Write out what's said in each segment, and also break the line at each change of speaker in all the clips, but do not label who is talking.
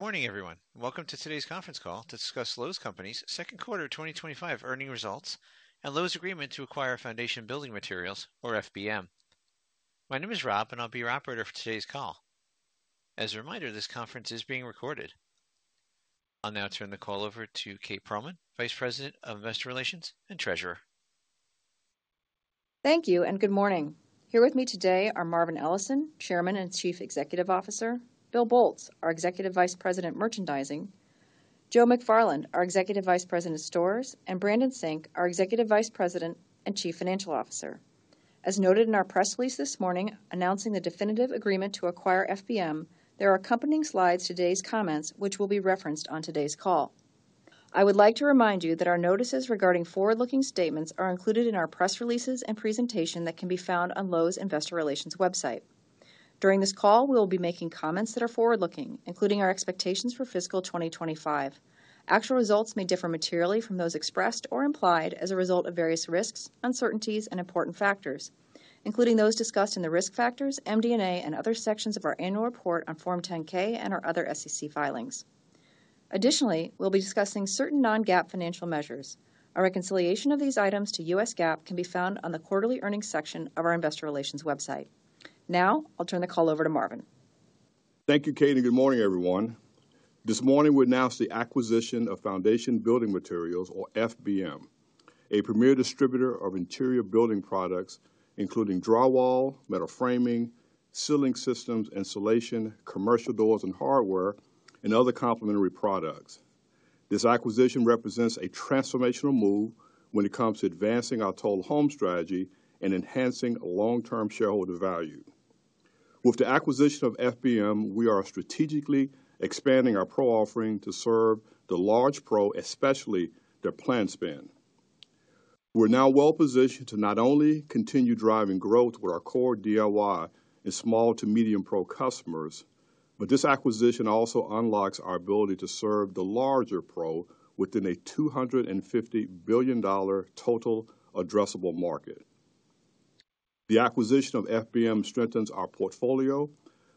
Morning everyone. Welcome to today's conference call to discuss Lowe's company's second quarter 2025 earning results and Lowe's agreement to acquire Foundation Building Materials or FBM. My name is Rob and I'll be your operator for today's call. As a reminder, this conference is being recorded. I'll now turn the call over to Kate Pearlman, Vice President of Investor Relations and Treasurer.
Thank you and good morning. Here with me today are Marvin Ellison, Chairman and Chief Executive Officer, Bill Boltz, our Executive Vice President, Merchandising, Joe McFarland, our Executive Vice President, Stores, and Brandon Sink, our Executive Vice President and Chief Financial Officer. As noted in our press release this morning announcing the definitive agreement to acquire Foundation Building Materials, there are accompanying slides to today's comments which will be referenced on today's call. I would like to remind you that our notices regarding forward-looking statements are included in our press releases and presentation that can be found on Lowe's investor relations website. During this call we will be making comments that are forward-looking, including our expectations for fiscal 2025. Actual results may differ materially from those expressed or implied as a result of various risks, uncertainties, and important factors, including those discussed in the Risk Factors, MD&A, and other sections of our annual report on Form 10-K and our other SEC filings. Additionally, we'll be discussing certain non-GAAP financial measures. A reconciliation of these items to U.S. GAAP can be found on the quarterly earnings section of our investor relations website. Now I'll turn the call over to Marvin.
Thank you, Kate, and good morning everyone. This morning we announced the acquisition of Foundation Building Materials, or FBM, a premier distributor of interior building products including drywall, metal framing, ceiling systems, insulation, commercial doors and hardware, and other complementary products. This acquisition represents a transformational move when it comes to advancing our Total Home strategy and enhancing long-term shareholder value. With the acquisition of FBM, we are strategically expanding our Pro offering to serve the large Pro, especially their planned spend. We're now well positioned to not only continue driving growth with our core DIY and small to medium Pro customers, but this acquisition also unlocks our ability to serve the larger Pro within a $250 billion total addressable market. The acquisition of FBM strengthens our portfolio,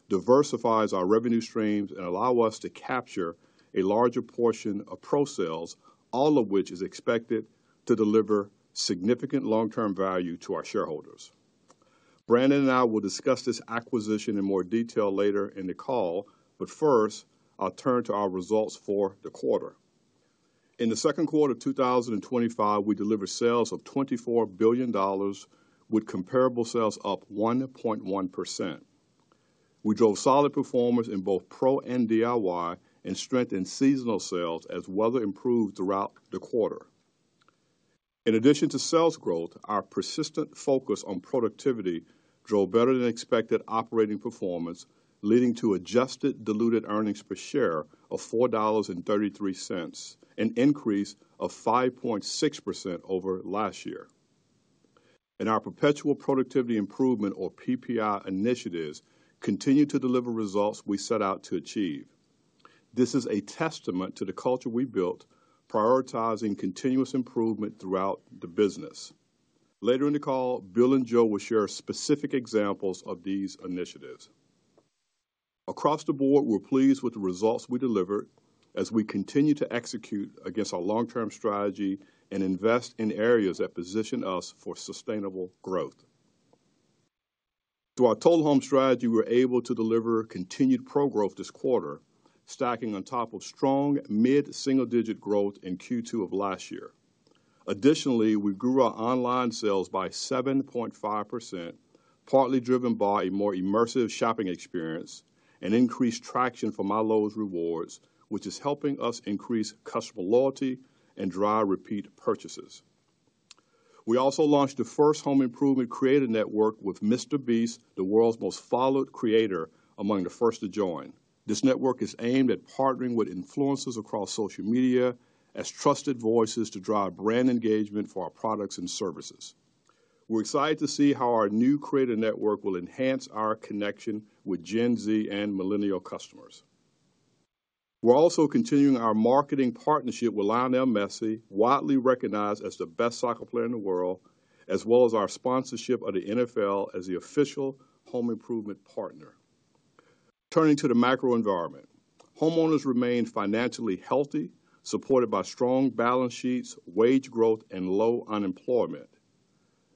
diversifies our revenue streams, and allows us to capture a larger portion of Pro sales, all of which is expected to deliver significant long-term value to our shareholders. Brandon and I will discuss this acquisition in more detail later in the call. First, I'll turn to our results for the quarter. In the second quarter 2025, we delivered sales of $24 billion with comparable sales up 1.1%. We drove solid performance in both Pro and DIY and strength in seasonal sales as weather improved throughout the quarter. In addition to sales growth, our persistent focus on productivity drove better than expected operating performance, leading to adjusted diluted EPS of $4.33, an increase of 5.6% over last year, and our Perpetual Productivity Improvement, or PPI, initiatives continue to deliver results we set out to achieve. This is a testament to the culture we built prioritizing continuous improvement throughout the business. Later in the call, Bill and Joe will share specific examples of these initiatives across the board. We're pleased with the results we delivered as we continue to execute against our long-term strategy and invest in areas that position us for sustainable growth. Through our Total Home strategy, we were able to deliver continued Pro growth this quarter, stacking on top of strong mid-single-digit growth in Q2 of last year. Additionally, we grew our online sales by 7.5%, partly driven by a more immersive shopping experience and increased traction for MyLowe's Rewards, which is helping us increase customer loyalty and drive repeat purchases. We also launched the first home improvement creator network with MrBeast, the world's most followed creator, among the first to join. This network is aimed at partnering with influencers across social media as trusted voices to drive brand engagement for our products and services. We're excited to see how our new Creator Network will enhance our connection with Gen Z and Millennial customers. We're also continuing our marketing partnership with Lionel Messi, widely recognized as the best soccer player in the world, as well as our sponsorship of the NFL as the official home improvement partner. Turning to the macro environment, homeowners remain financially healthy, supported by strong balance sheets, wage growth, and low unemployment.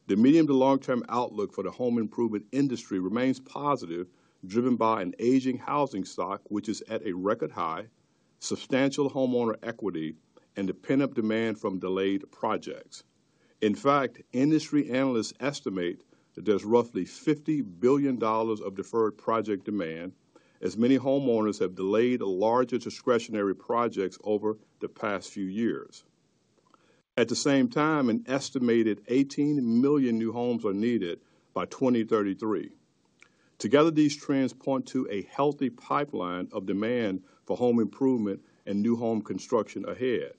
The medium to long term outlook for the home improvement industry remains positive, driven by an aging housing stock which is at a record high, substantial homeowner equity, and the pent up demand from delayed projects. In fact, industry analysts estimate that there's roughly $50 billion of deferred project demand, as many homeowners have delayed larger discretionary projects over the past few years. At the same time, an estimated 18 million new homes are needed by 2033. Together, these trends point to a healthy pipeline of demand for home improvement and new home construction ahead.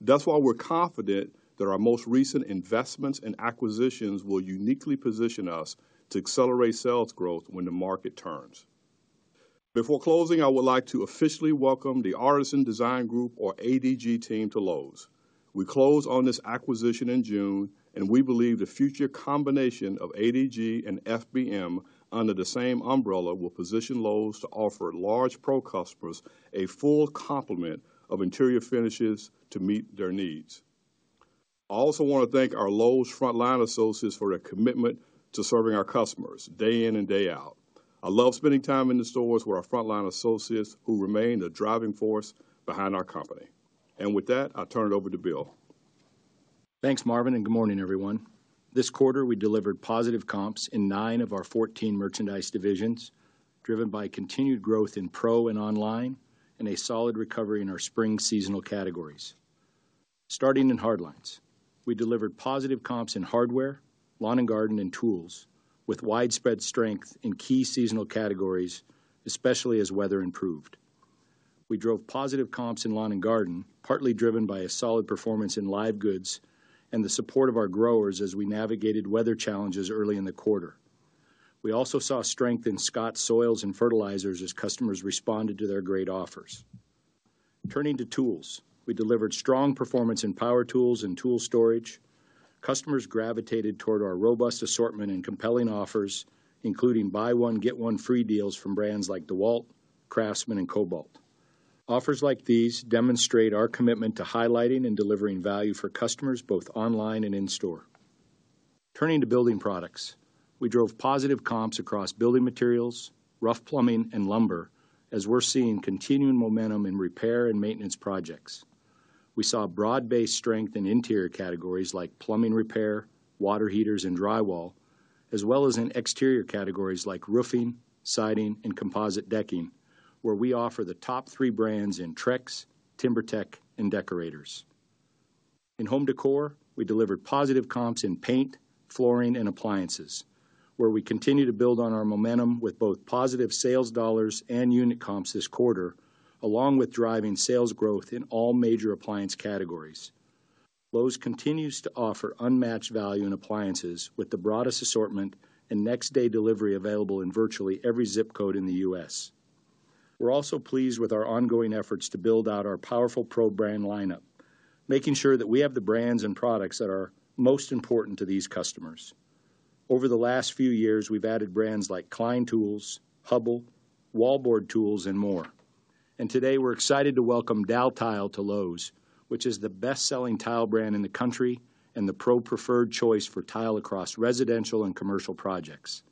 That's why we're confident that our most recent investments and acquisitions will uniquely position us to accelerate sales growth when the market turns. Before closing, I would like to officially welcome the Artisan Design Group or ADG team to Lowe's. We closed on this acquisition in June and we believe the future combination of ADG and FBM under the same umbrella will position Lowe's to offer large Pro customers a full complement of interior finishes to meet their needs. I also want to thank our Lowe's Frontline associates for their commitment to serving our customers day in and day out. I love spending time in the stores with our Frontline associates who remain the driving force behind our company, and with that I'll turn it over to.
Thanks Marvin and good morning everyone. This quarter we delivered positive comps in nine of our 14 merchandise divisions, driven by continued growth in Pro and online and a solid recovery in our spring seasonal categories. Starting in hardlines, we delivered positive comps in hardware, lawn and garden, and tools with widespread strength in key seasonal categories, especially as weather improved. We drove positive comps in lawn and garden, partly driven by a solid performance in live goods and the support of our growers. As we navigated weather challenges early in the quarter, we also saw strength in Scotts soils and fertilizers as customers responded to their great offers. Turning to tools, we delivered strong performance in power tools and tool storage. Customers gravitated toward our robust assortment and compelling offers, including buy one get one free deals from brands like DEWALT, Craftsman, and Kobalt. Offers like these demonstrate our commitment to highlighting and delivering value for customers both online and in store. Turning to building products, we drove positive comps across building materials, rough plumbing, and lumber as we're seeing continuing momentum in repair and maintenance projects. We saw broad-based strength in interior categories like plumbing repair, water heaters, and drywall, as well as in exterior categories like roofing, siding, and composite decking, where we offer the top three brands in Trex, TimberTech, and Deckorators. In home decor, we delivered positive comps in paint, flooring, and appliances, where we continue to build on our momentum with both positive sales dollars and unit comps this quarter. Along with driving sales growth in all major appliance categories, Lowe's continues to offer unmatched value in appliances with the broadest assortment and next day delivery available in virtually every zip code in the U.S. We're also pleased with our ongoing efforts to build out our powerful Pro brand lineup, making sure that we have the brands and products that are most important to these customers. Over the last few years we've added brands like Klein Tools, Hubbell, Wallboard Tools, and more, and today we're excited to welcome Daltile to Lowe's, which is the best selling tile brand in the country and the Pro Preferred choice for tile across residential and commercial projects.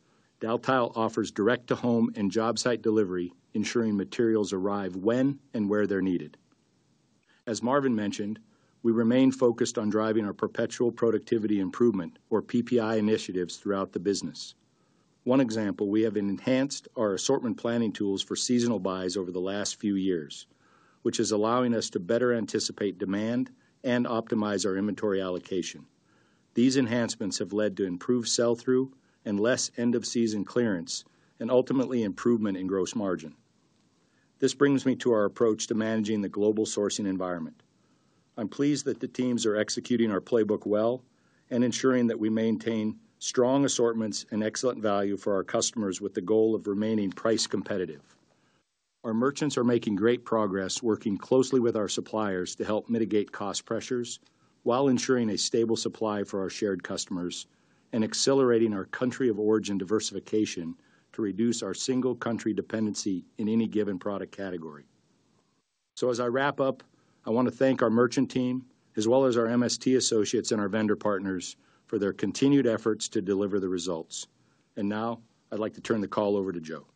Daltile offers direct to home and job site delivery, ensuring materials arrive when and where they're needed. As Marvin mentioned, we remain focused on driving our perpetual productivity improvement or PPI initiatives throughout the business. One example, we have enhanced our assortment planning tools for seasonal buys over the last few years, which is allowing us to better anticipate demand and optimize our inventory allocation. These enhancements have led to improved sell through and less end of season clearance, and ultimately improvement in gross margin. This brings me to our approach to managing the global sourcing environment. I'm pleased that the teams are executing our playbook well and ensuring that we maintain strong assortments and excellent value for our customers, with the goal of remaining price competitive. Our merchants are making great progress working closely with our suppliers to help mitigate cost pressures while ensuring a stable supply for our shared customers and accelerating our country of origin diversification to reduce our single country dependency in any given product category. As I wrap up, I want to thank our merchant team as well as our MST associates and our vendor partners for their continued efforts to deliver the results. Now I'd like to turn the call over to Joe.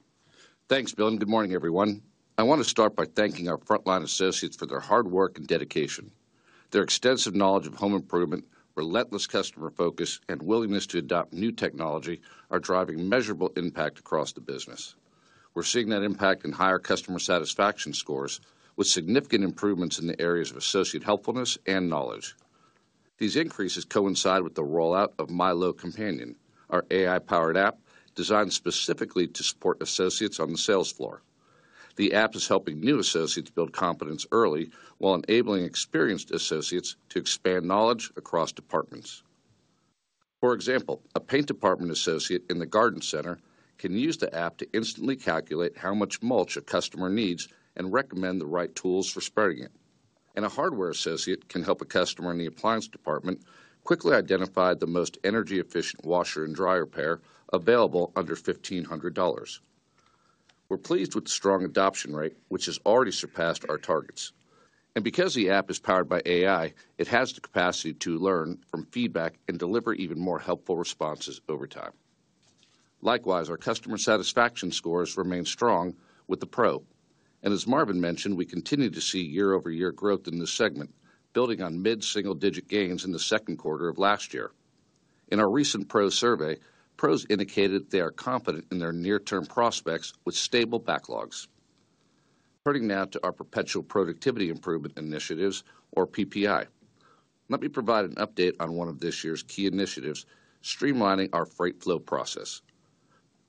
Thanks Bill and good morning everyone. I want to start by thanking our frontline associates for their hard work and dedication. Their extensive knowledge of home improvement, relentless customer focus, and willingness to adopt new technology are driving measurable impact across the business. We're seeing that impact in higher customer satisfaction scores, with significant improvements in the areas of associate helpfulness and knowledge. These increases coincide with the rollout of Milo Companion AI app, our AI-powered app designed specifically to support associates on the sales floor. The app is helping new associates build confidence early while enabling experienced associates to expand knowledge across departments. For example, a paint department associate in the garden center can use the app to instantly calculate how much mulch a customer needs and recommend the right tools for spreading it. A hardware associate can help a customer in the appliance department quickly identify the most energy efficient washer and dryer pair available under $1,500. We're pleased with the strong adoption rate, which has already surpassed our targets. Because the app is powered by AI, it has the capacity to learn from feedback and deliver even more helpful responses over time. Likewise, our customer satisfaction scores remain strong with the Pro customer, and as Marvin mentioned, we continue to see year-over-year growth in this segment, building on mid single-digit gains in the second quarter of last year. In our recent Pro customer survey, Pro customers indicated they are confident in their near-term prospects with stable backlogs. Turning now to our Perpetual Productivity Improvement Initiatives, or PPI, let me provide an update on one of this year's key initiatives: streamlining our freight flow process.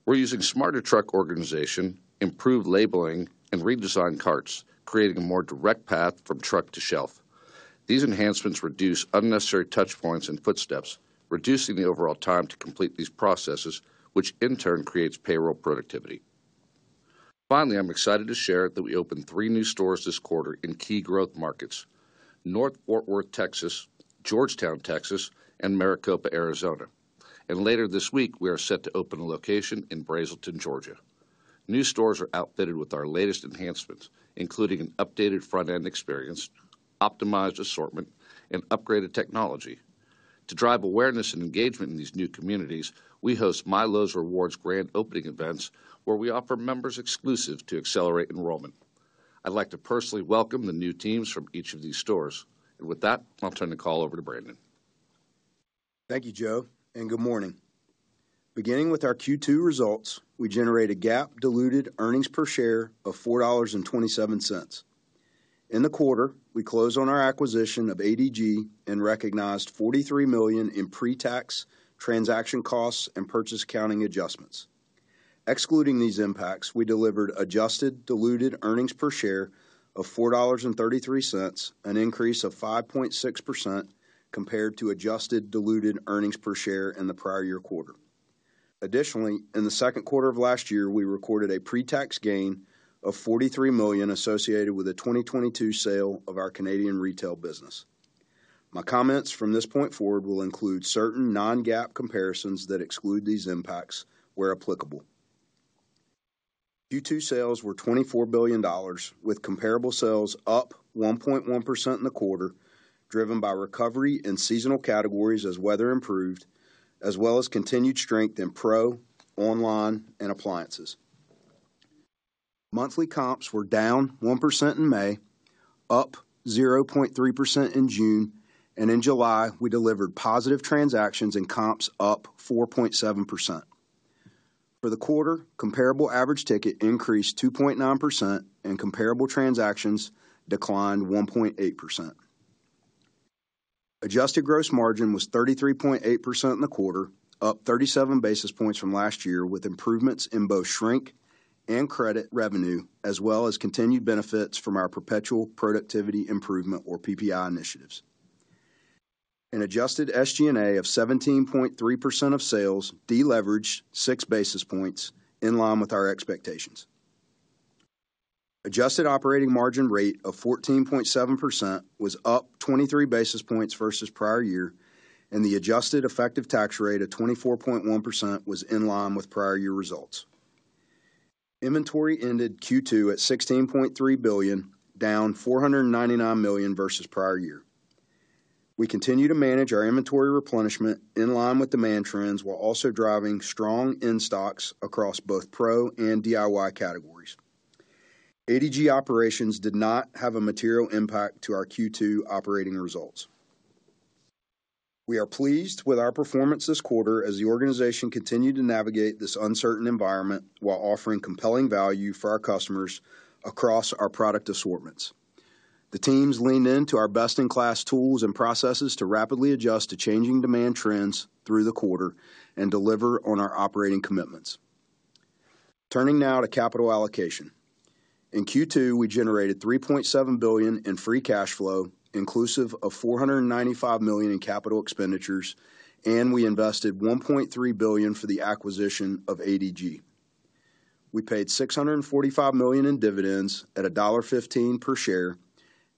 We're using smarter truck organization, improved labeling, and redesigned carts, creating a more direct path from truck to shelf. These enhancements reduce unnecessary touch points and footsteps, reducing the overall time to complete these processes, which in turn creates payroll productivity. Finally, I'm excited to share that we opened three new stores this quarter in key growth markets: North Fort Worth, Texas; Georgetown, Texas; and Maricopa, Arizona. Later this week, we are set to open a location in Brazelton, Georgia. New stores are outfitted with our latest enhancements, including an updated front-end experience, optimized assortment, and upgraded technology to drive awareness and engagement in these new communities. We host MyLowe's Rewards Grand Opening events where we offer members exclusives to accelerate enrollment. I'd like to personally welcome the new teams from each of these stores, and with that I'll turn the call over.
To Brandon, thank you Joe, and good morning. Beginning with our Q2 results, we generated a GAAP diluted earnings per share of $4.27 in the quarter. We closed on our acquisition of ADG and recognized $43 million in pre-tax transaction costs and purchase accounting adjustments. Excluding these impacts, we delivered adjusted diluted earnings per share of $4.33, an increase of 5.6% compared to adjusted diluted earnings per share in the prior year quarter. Additionally, in the second quarter of last year, we recorded a pre-tax gain of $43 million associated with the 2022 sale of our Canadian retail business. My comments from this point forward will include certain non-GAAP comparisons that exclude these impacts where applicable. Q2 sales were $24 billion with comparable sales up 1.1% in the quarter, driven by recovery in seasonal categories as weather improved as well as continued strength in Pro online and appliances. Monthly comps were down 1% in May, up 0.3% in June, and in July we delivered positive transactions in comps, up 4.4%. Comparable average ticket increased 2.9% and comparable transactions declined 1.8%. Adjusted gross margin was 33.8% in the quarter, up 37 basis points from last year with improvements in both shrink and credit revenue as well as continued benefits from our Perpetual Productivity Improvement, or PPI, initiatives. An adjusted SGA of 17.3% of sales deleveraged 6 basis points in line with our expectations. Adjusted operating margin rate of 14.7% was up 23 basis points versus prior year, and the adjusted effective tax rate of 24.1% was in line with prior year results. Inventory ended Q2 at $16.3 billion, down $499 million versus prior year. We continue to manage our inventory replenishment in line with demand trends while also driving strong in-stocks across both Pro and DIY categories. ADG operations did not have a material impact to our Q2 operating results. We are pleased with our performance this quarter as the organization continued to navigate this uncertain environment while offering compelling value for our customers across our product assortments. The teams leaned into our best-in-class tools and processes to rapidly adjust to changing demand trends through the quarter and deliver on our operating commitments. Turning now to capital allocation, in Q2 we generated $3.7 billion in free cash flow inclusive of $495 million in capital expenditures, and we invested $1.3 billion for the acquisition of ADG. We paid $645 million in dividends at $1.15 per share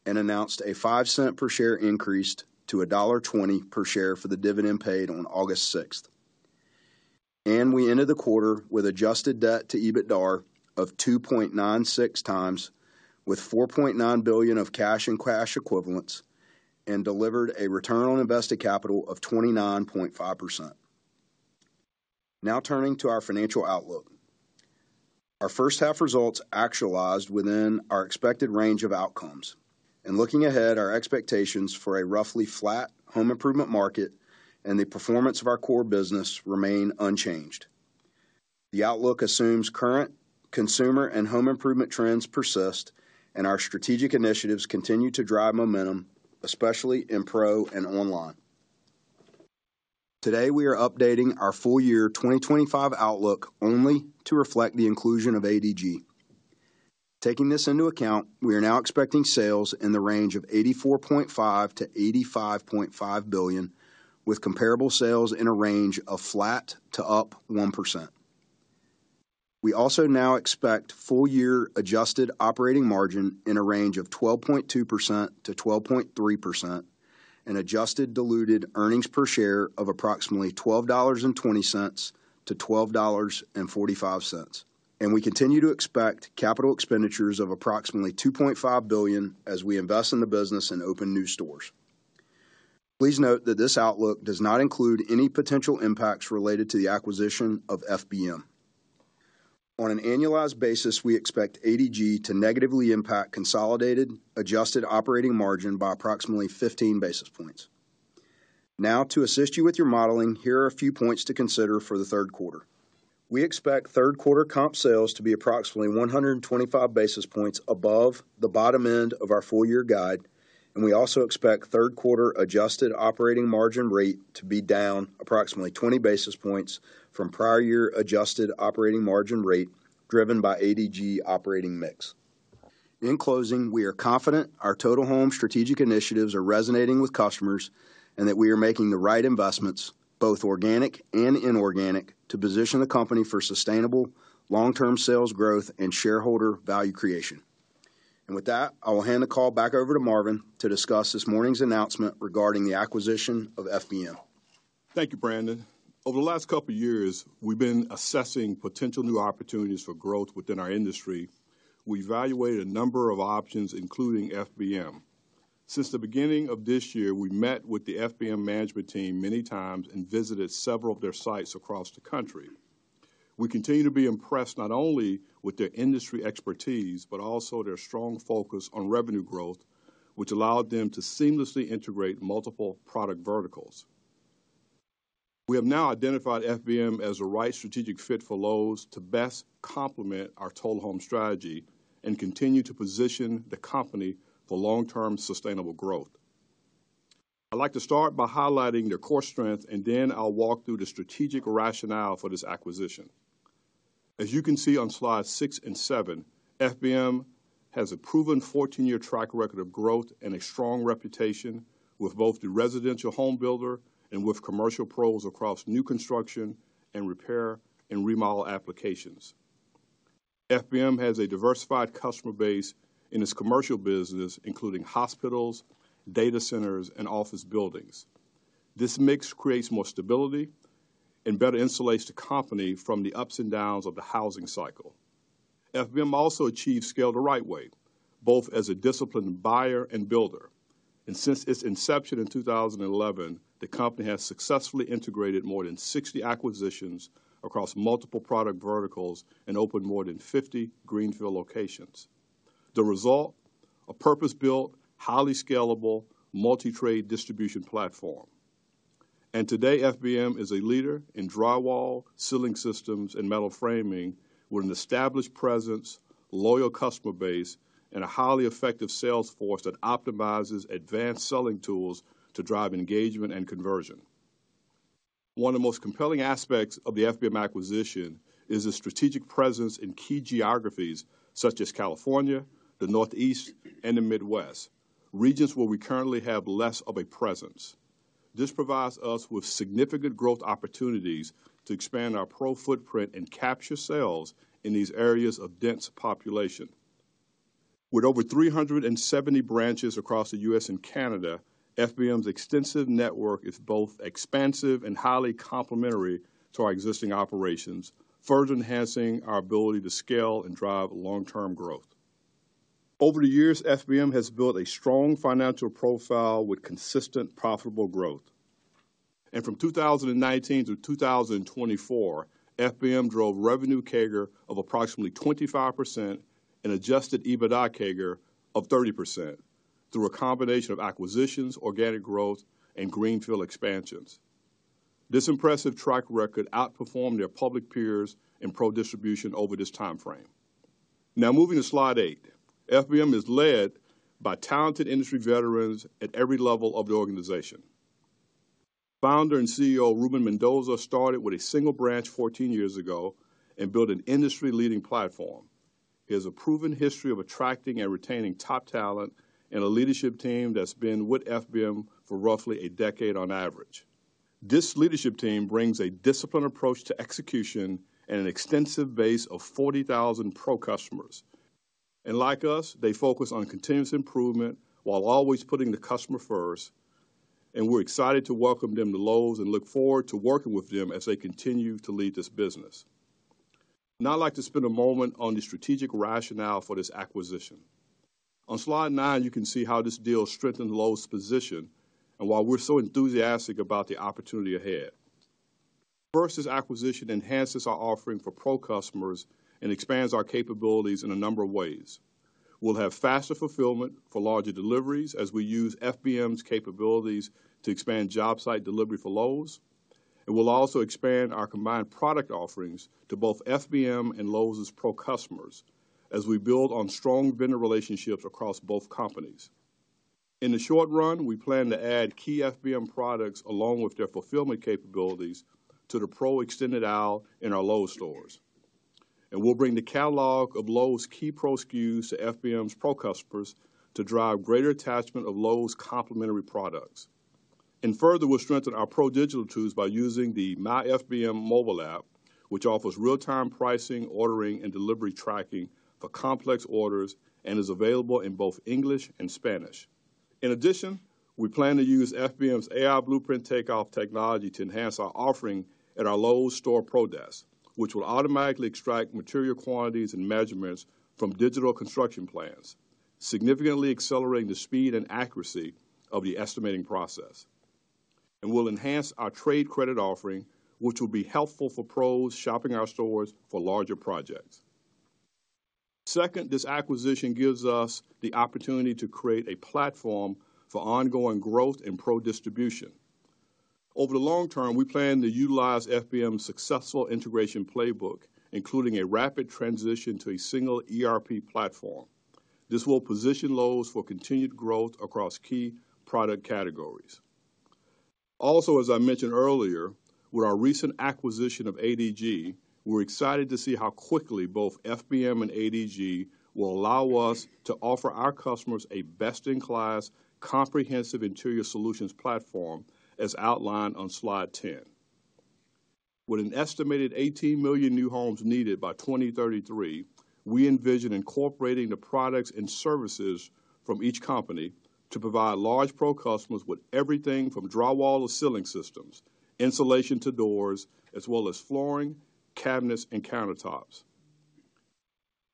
and announced a $0.05 per share increase to $1.20 per share for the dividend paid on August 6th. We ended the quarter with adjusted debt to EBITDAR of 2.96 times, with $4.9 billion of cash and cash equivalents, and delivered a return on invested capital of 29.5%. Now turning to our financial outlook, our first half results actualized within our expected range of outcomes. Looking ahead, our expectations for a roughly flat home improvement market and the performance of our core business remain unchanged. The outlook assumes current consumer and home improvement trends persist and our strategic initiatives continue to drive momentum, especially in Pro and online. Today we are updating our full year 2025 outlook only to reflect the inclusion of ADG. Taking this into account, we are now expecting sales in the range of $84.5-$85.5 billion, with comparable sales in a range of flat to up 1%. We also now expect full year adjusted operating margin in a range of 12.2%-12.3% and adjusted diluted EPS of approximately $12.20 to $12.45. We continue to expect capital expenditures of approximately $2.5 billion as we invest in the business and open new stores. Please note that this outlook does not include any potential impacts related to the acquisition of FBM. On an annualized basis, we expect ADG to negatively impact consolidated adjusted operating margin by approximately 15 basis points. Now to assist you with your modeling, here are a few points to consider. For the third quarter, we expect third quarter comp sales to be approximately 125 basis points above the bottom end of our full year guide, and we also expect third quarter adjusted operating margin rate to be down approximately 20 basis points from prior year adjusted operating margin rate, driven by ADG operating mix. In closing, we are confident our Total Home strategic initiatives are resonating with customers and that we are making the right investments, both organic and inorganic, to position the company for sustainable long term sales growth and shareholder value creation. With that, I will hand the call back over to Marvin to discuss this morning's announcement regarding the acquisition of FBM.
Thank you, Brandon. Over the last couple of years, we've been assessing potential new opportunities for growth within our industry. We evaluated a number of options, including Foundation Building Materials. Since the beginning of this year, we met with the FBM management team many times and visited several of their sites across the country. We continue to be impressed not only with their industry expertise but also their strong focus on revenue growth, which allowed them to seamlessly integrate multiple product verticals. We have now identified FBM as the right strategic fit for Lowe's to best complement our total home strategy and continue to position the company for long-term sustainable growth. I'd like to start by highlighting their core strengths, and then I'll walk through the strategic rationale for this acquisition. As you can see on slides 6 and 7, FBM has a proven 14-year track record of growth and a strong reputation with both the residential home builder and with commercial pros across new construction and repair and remodel applications. FBM has a diversified customer base in its commercial business, including hospitals, data centers, and office buildings. This mix creates more stability and better insulates the company from the ups and downs of the housing cycle. FBM also achieves scale the right way, both as a disciplined buyer and builder, and since its inception in 2011, the company has successfully integrated more than 60 acquisitions across multiple product verticals and opened more than 50 greenfield locations. The result? A purpose-built, highly scalable, multi-trade distribution platform, and today FBM is a leader in drywall, ceiling systems, and metal framing, with an established presence, loyal customer base, and a highly effective sales force that optimizes advanced selling tools to drive engagement and conversion. One of the most compelling aspects of the FBM acquisition is the strategic presence in key geographies such as California, the Northeast, and the Midwest regions where we currently have less of a presence. This provides us with significant growth opportunities to expand our Pro footprint and capture sales in these areas of dense population. With over 370 branches across the U.S. and Canada, FBM's extensive network is both expansive and highly complementary to our existing operations, further enhancing our ability to scale and drive long-term growth. Over the years, FBM has built a strong financial profile with consistent profitable growth and from 2019 to 2024 FBM drove revenue CAGR of approximately 25% and adjusted EBITDA CAGR of 30% through a combination of acquisitions, organic growth and greenfield expansions. This impressive track record outperformed their public peers in Pro distribution over this time frame. Now moving to slide 8, FBM is led by talented industry veterans at every level of the organization. Founder and CEO Ruben Mendoza started with a single branch 14 years ago and built an industry-leading platform. He has a proven history of attracting and retaining top talent and a leadership team that's been with FBM for roughly a decade on average. This leadership team brings a disciplined approach to execution and an extensive base of 40,000 Pro customers and like us, they focus on continuous improvement while always putting the customer first. We're excited to welcome them to Lowe's and look forward to working with them as they continue to lead this business. Now I'd like to spend a moment on the strategic rationale for this acquisition on slide 9. You can see how this deal strengthens Lowe's position and why we're so enthusiastic about the opportunity ahead. First, this acquisition enhances our offering for Pro customers and expands our capabilities in a number of ways. We'll have faster fulfillment for larger deliveries as we use FBM's capabilities to expand job site delivery for Lowe's. We'll also expand our combined product offerings to both FBM and Lowe's Pro customers as we build on strong vendor relationships across both companies. In the short run, we plan to add key FBM products along with their fulfillment capabilities to the Pro extended aisle in our Lowe's stores and we'll bring the catalog of Lowe's key Pro SKUs to FBM's Pro customers to drive greater attachment of Lowe's complementary products. Further, we'll strengthen our Pro digital tools by using the My FBM mobile app, which offers real-time pricing, ordering and delivery tracking for complex orders and is available in both English and Spanish. In addition, we plan to use FBM's blueprint takeoff technology to enhance our offering at our Lowe's Store Pro Desk, which will automatically extract material quantities and measurements from digital construction plans, significantly accelerating the speed and accuracy of the estimating process and will enhance our trade credit offering, which will be helpful for Pros shopping our stores for larger projects. Second, this acquisition gives us the opportunity to create a platform for ongoing growth and Pro distribution over the long term. We plan to utilize FBM's successful integration playbook, including a rapid transition to a single ERP platform. This will position Lowe's for continued growth across key product categories. Also, as I mentioned earlier, with our recent acquisition of ADG, we're excited to see how quickly both FBM and ADG will allow us to offer our customers a best-in-class comprehensive interior solutions platform as outlined on slide 10. With an estimated 18 million new homes needed by 2033, we envision incorporating the products and services from each company to provide large Pro customers with everything from drywall to ceiling systems, insulation to doors, as well as flooring, cabinets, and countertops.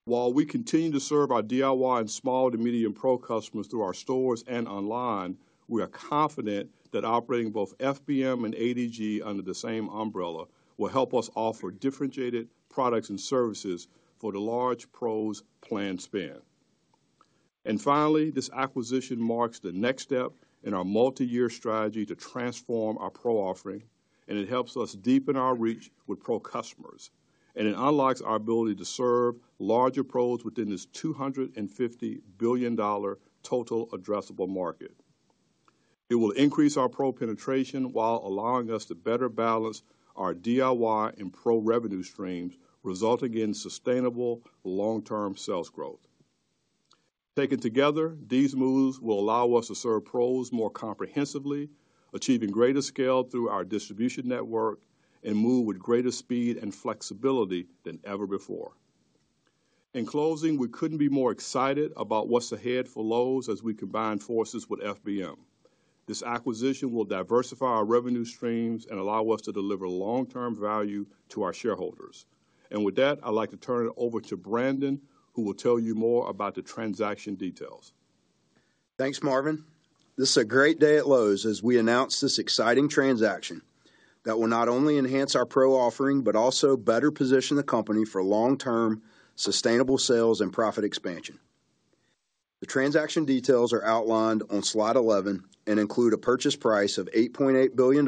While we continue to serve our DIY and small to medium Pro customers through our stores and online, we are confident that operating both FBM and ADG under the same umbrella will help us offer differentiated products and services for the large Pros' plans. Finally, this acquisition marks the next step in our multi-year strategy to transform our Pro offering, and it helps us deepen our reach with Pro customers, and it unlocks our ability to serve larger Pros within this $250 billion total addressable market. It will increase our Pro penetration while allowing us to better balance our DIY and Pro revenue streams, resulting in sustainable long-term sales growth. Taken together, these moves will allow us to serve Pros more comprehensively, achieving greater scale through our distribution network and move with greater speed and flexibility than ever before. In closing, we couldn't be more excited about what's ahead for Lowe's as we combine forces with FBM. This acquisition will diversify our revenue streams and allow us to deliver long-term value to our shareholders. With that, I'd like to turn it over to Brandon, who will tell you more about the transaction details.
Thanks Marvin. This is a great day at Lowe’s as we announce this exciting transaction that will not only enhance our Pro offering, but also better position the company for long term sustainable sales and profit expansion. The transaction details are outlined on Slide 11 and include a purchase price of $8.8 billion,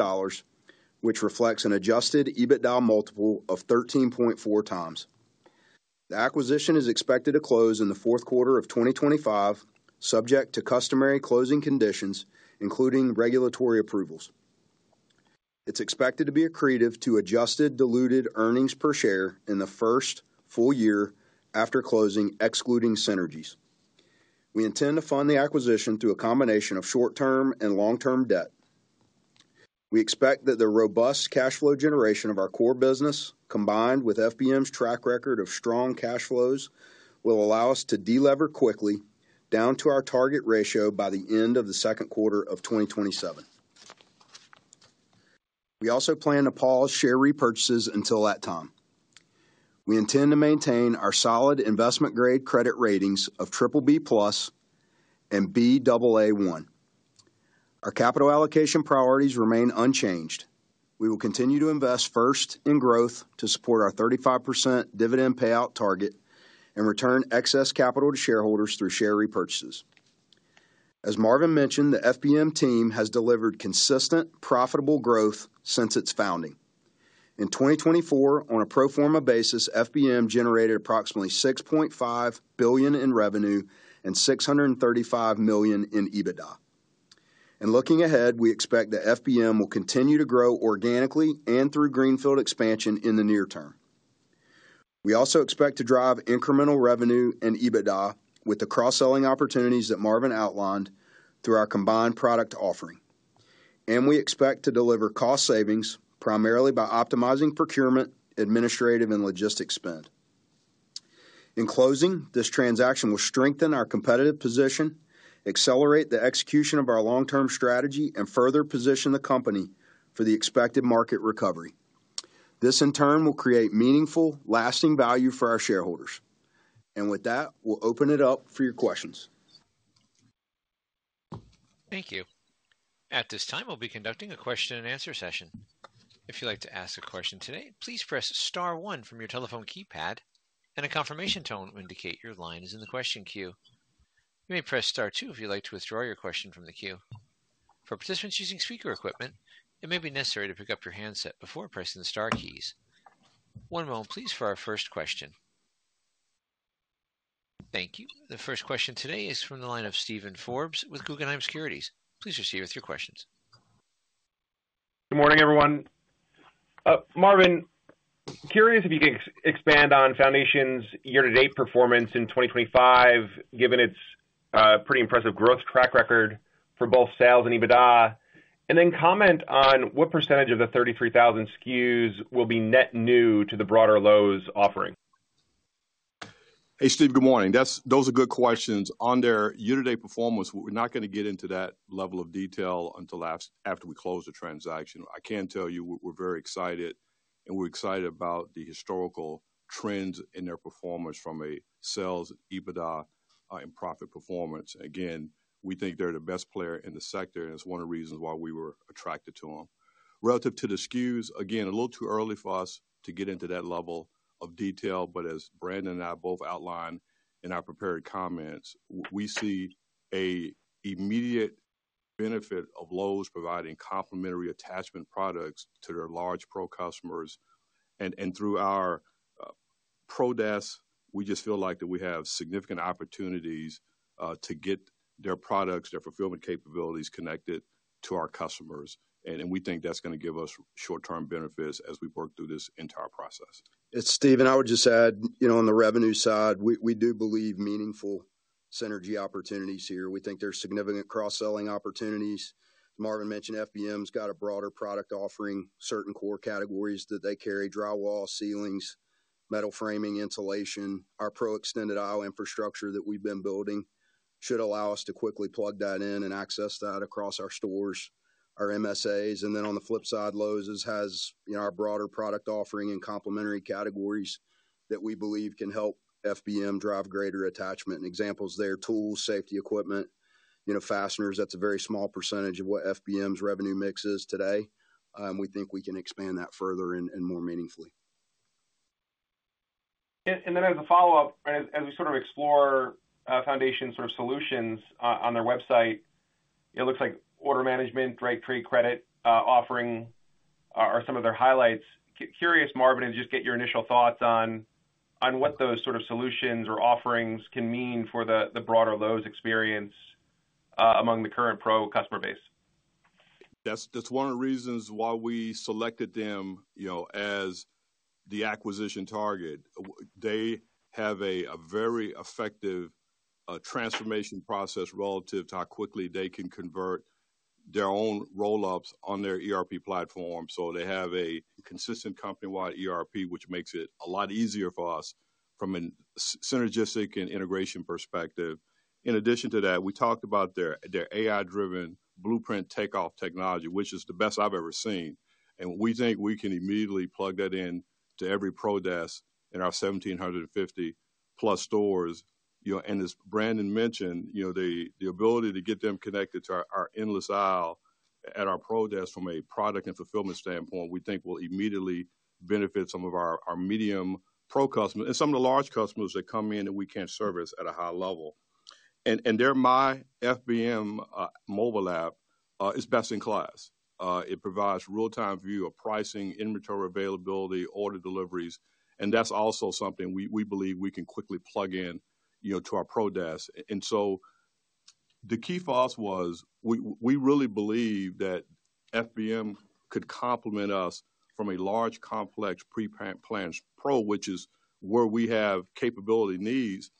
which reflects an adjusted EBITDA multiple of 13.4x. The acquisition is expected to close in the fourth quarter of 2025, subject to customary closing conditions including regulatory approvals. It's expected to be accretive to adjusted diluted EPS in the first full year after closing. Excluding synergies, we intend to fund the acquisition through a combination of short term and long term debt. We expect that the robust cash flow generation of our core business combined with FBM's track record of strong cash flows will allow us to delever quickly down to our target ratio by the end of the second quarter of 2027. We also plan to pause share repurchases. Until that time, we intend to maintain our solid investment-grade credit ratings of BBB and Baa1. Our capital allocation priorities remain unchanged. We will continue to invest first in growth to support our 35% dividend payout target and return excess capital to shareholders through share repurchases. As Marvin mentioned, the FBM team has delivered consistent, profitable growth since its founding in 2024. On a pro forma basis, FBM generated approximately $6.5 billion in revenue and $635 million in EBITDA. Looking ahead, we expect that FBM will continue to grow organically and through greenfield expansion. In the near term, we also expect to drive incremental revenue and EBITDA with the cross selling opportunities that Marvin outlined through our combined product offering. We expect to deliver cost savings primarily by optimizing procurement, administrative and logistics spend. In closing, this transaction will strengthen our competitive position, accelerate the execution of our long term strategy and further position the company for the expected market recovery. This in turn will create meaningful, lasting value for our shareholders. With that, we'll open it up for your questions.
Thank you. At this time, we'll be conducting a question and answer session. If you'd like to ask a question today, please press Star 1 from your telephone keypad, and a confirmation tone will indicate your line is in the question queue. You may press Star 2 if you'd like to withdraw your question from the queue. For participants using speaker equipment, it may be necessary to pick up your handset before pressing the Star keys. One moment, please, for our first question. Thank you. The first question today is from the line of Steve Forbes with Guggenheim Securities. Please proceed with your questions.
Good morning everyone. Marvin, curious if you can expand on Foundation's year to date performance in 2025 given its pretty impressive growth track record for both sales and EBITDA, and then comment on what percentage of the 33,000 SKUs will be net new to the broader Lowe's offering.
Hey Steve, good morning. Those are good questions on their year-to-date performance. We're not going to get into that level of detail until after we close the transaction. I can tell you we're very excited and we're excited about the historical trends in their performance from a sales, EBITDA, and profit performance. We think they're the best player in the sector and it's one of the reasons why we were attracted to them. Relative to the SKUs, it's a little too early for us to get into that level of detail, but as Brandon and I both outlined in our prepared comments, we see an immediate benefit of Lowe's providing complementary attachment products to their large Pro customers. Through our Pro desk, we just feel like we have significant opportunities to get their products, their fulfillment capabilities connected to our customers, and we think that's going to give us short-term benefits as we work through this entire process.
Stephen, I would just add on the revenue side, we do believe meaningful synergy opportunities here. We think there's significant cross-selling opportunities. Marvin mentioned FBM's got a broader product offering, certain core categories that they carry: drywall, ceilings, metal framing, insulation. Our Pro extended aisle infrastructure that we've been building should allow us to quickly plug that in and access that across our stores, our MSAs. On the flip side, Lowe's has, you know, our broader product offering and complementary categories that we believe can help FBM drive greater attachment, and examples there: tools, safety equipment, you know, fasteners. That's a very small percentage of what FBM's revenue mix is today, and we think we can expand that further and more meaningfully.
As a follow up, as we sort of explore Foundation Building Materials solutions on their website, it looks like order management, trade credit offering are some of their highlights. Curious, Marvin, and just get your initial thoughts on what those sort of solutions or offerings can mean for the broader Lowe's experience among the current Pro customer base.
That's one of the reasons why we selected them as the acquisition target. They have a very effective transformation process relative to how quickly they can convert their own roll-ups on their ERP platform. They have a consistent company-wide ERP, which makes it a lot easier for us from a synergistic and integration perspective. In addition to that, we talked about their AI-driven blueprint takeoff technology, which is the best I've ever seen, and we think we can immediately plug that in to every Pro desk in our 1,750 plus stores. As Brandon mentioned, the ability to get them connected to our endless aisle at our Pro desk from a product and fulfillment standpoint, we think, will immediately benefit some of our medium Pro customers and some of the large customers that come in and we can't service at a high level. Their FBM mobile app is best in class; it provides real-time view of pricing, inventory, availability, order deliveries. That's also something we believe we can quickly plug in to our Pro desk. The key for us was we really believe that FBM could complement us from a large, complex pre-plan Pro, which is where we have capability needs.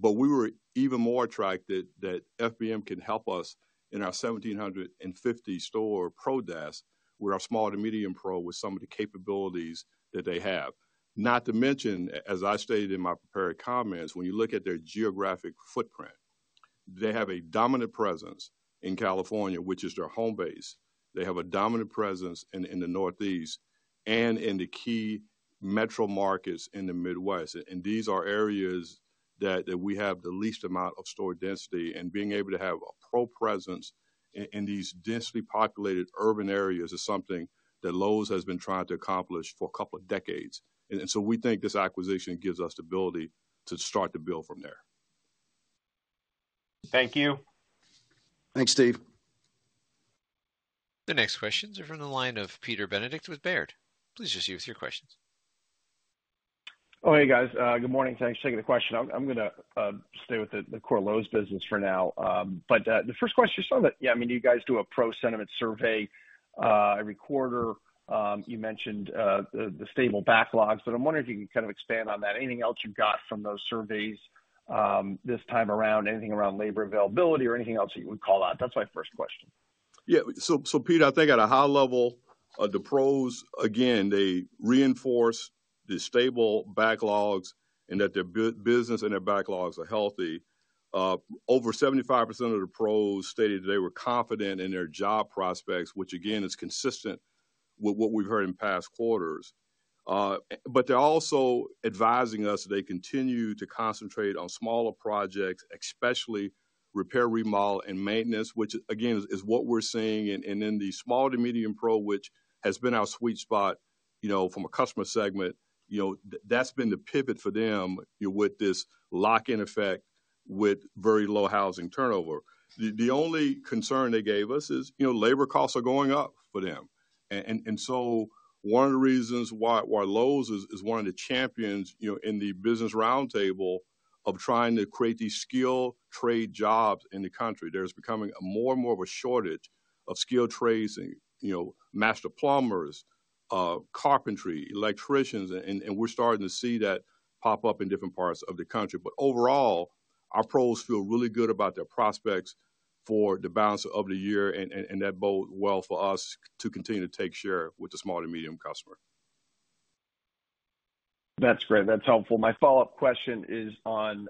We were even more attracted that FBM can help us in our 1,750 store Pro desk. We are small to medium Pro with some of the capabilities that they have. Not to mention, as I stated in my prepared comments, when you look at their geographic footprint, they have a dominant presence in California, which is their home base. They have a dominant presence in the Northeast and in the key metro markets in the Midwest. These are areas that we have the least amount of store density. Being able to have a Pro presence in these densely populated urban areas is something that Lowe's has been trying to accomplish for a couple of decades. We think this acquisition gives us the ability to start to build from there.
Thank you.
Thanks, Steve.
The next questions are from the line of Peter Benedict with Baird. Please receive your questions.
Oh, hey guys, good morning. Thanks for taking the question. I'm going to stay with the core Lowe's business for now. The first question, you guys do a Pro sentiment survey every quarter. You mentioned the stable backlogs, but I'm wondering if you can kind of expand on that. Anything else you got from those surveys this time around? Anything around labor availability or anything else that you would call out? That's my first question.
Yeah. Pete, I think at a high level, the pros, again, they reinforce the stable backlogs and that their business and their backlogs are healthy. Over 75% of the pros stated they were confident in their job prospects, which again, is consistent with what we've heard in past quarters. They're also advising us they continue to concentrate on smaller projects, especially repair, remodel, and maintenance, which again, is what we're seeing. The small to medium Pro, which has been our sweet spot from a customer segment, that's been the pivot for them. With this lock, in effect, with very low housing turnover, the only concern they gave us is labor costs are going up for them. One of the reasons why Lowe's is one of the champions in the business roundtable of trying to create these skilled trade jobs in the country is there's becoming more and more of a shortage of skilled trades and master plumbers, carpentry, electricians, and we're starting to see that pop up in different parts of the country. Overall, our pros feel really good about their prospects for the balance of the year, and that bodes well for us to continue to take share with the small to medium customer.
That's great. That's helpful. My follow-up question is on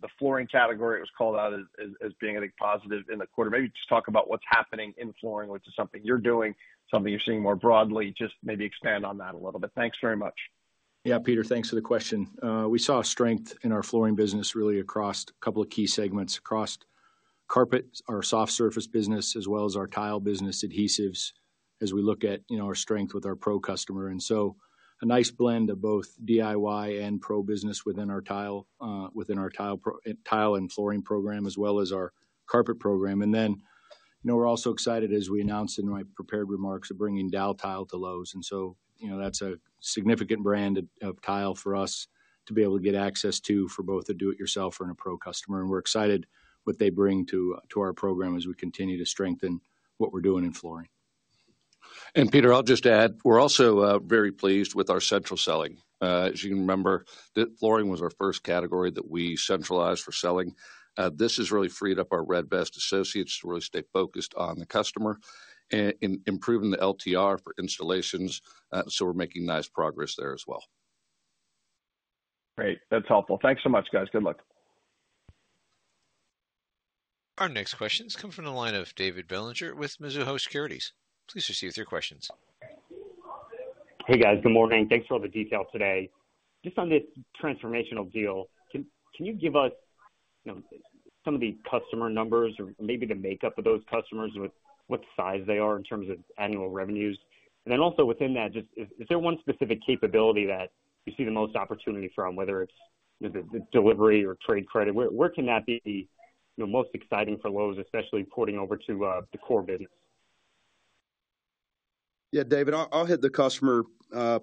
the flooring category. It was called out as being a positive in the quarter. Maybe just talk about what's happening in flooring, which is something you're doing, something you're seeing more broadly. Just maybe expand on that a little bit. Thanks very much.
Yeah, Peter, thanks for the question. We saw strength in our flooring business, really across a couple of key segments, across carpets, our soft surface business, as well as our tile business, adhesives, as we look at our strength with our Pro customer. A nice blend of both DIY and Pro business within our tile and flooring program, as well as our carpet program. We're also excited, as we announced in my prepared remarks, about bringing Daltile to Lowe's. That's a significant brand tile for us to be able to get access to for both a do it yourself and a Pro customer. We're excited about what they bring to our program as we continue to strengthen what we're doing in flooring.
Peter, I'll just add, we're also very pleased with our central selling. As you can remember, flooring was our first category that we centralized for selling. This has really freed up our red vest associates to really stay focused on the customer and improving the LTR for installations. We're making nice progress there as well.
Great. That's helpful. Thanks so much, guys. Good luck.
Our next questions come from the line of David Bellinger with Mizuho Securities. Please proceed with your questions.
Hey guys, good morning. Thanks for all the detail today. Just on this transformational deal, can you give us some of the customer numbers or maybe the makeup of those customers with what size they are in terms of annual revenues? Also, within that, is there one specific capability that you see the most opportunity from, whether it's delivery or trade credit? Where can that be most exciting for Lowe's, especially porting over to the core business?
Yeah, David, I'll hit the customer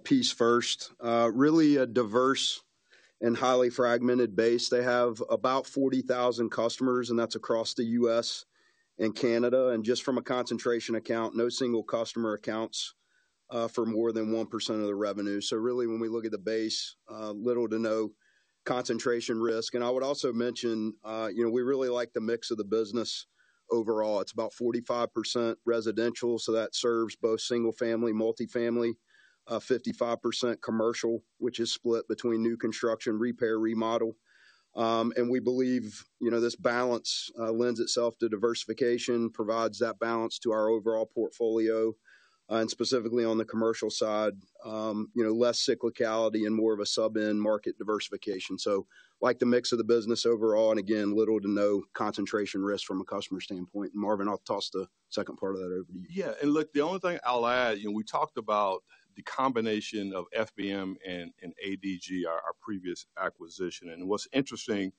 piece first. Really a diverse and highly fragmented base. They have about 40,000 customers and that's across the U.S. and Canada. Just from a concentration account, no single customer accounts for more than 1% of the revenue. Really, when we look at the base, little to no concentration risk. I would also mention, you know, we really like the mix of the business overall. It's about 45% residential, so that serves both single family, multifamily, 55% commercial, which is split between new construction, repair, remodel. We believe this balance lends itself to diversification, provides that balance to our overall portfolio and specifically on the commercial side, less cyclicality and more of a sub end market diversification. We like the mix of the business overall and again, little to no concentration risk from a customer standpoint. Marvin, I'll toss the second part of.
Yeah, and look, the only thing I'll add, we talked about the combination of FBM and ADG, our previous acquisition. What's interesting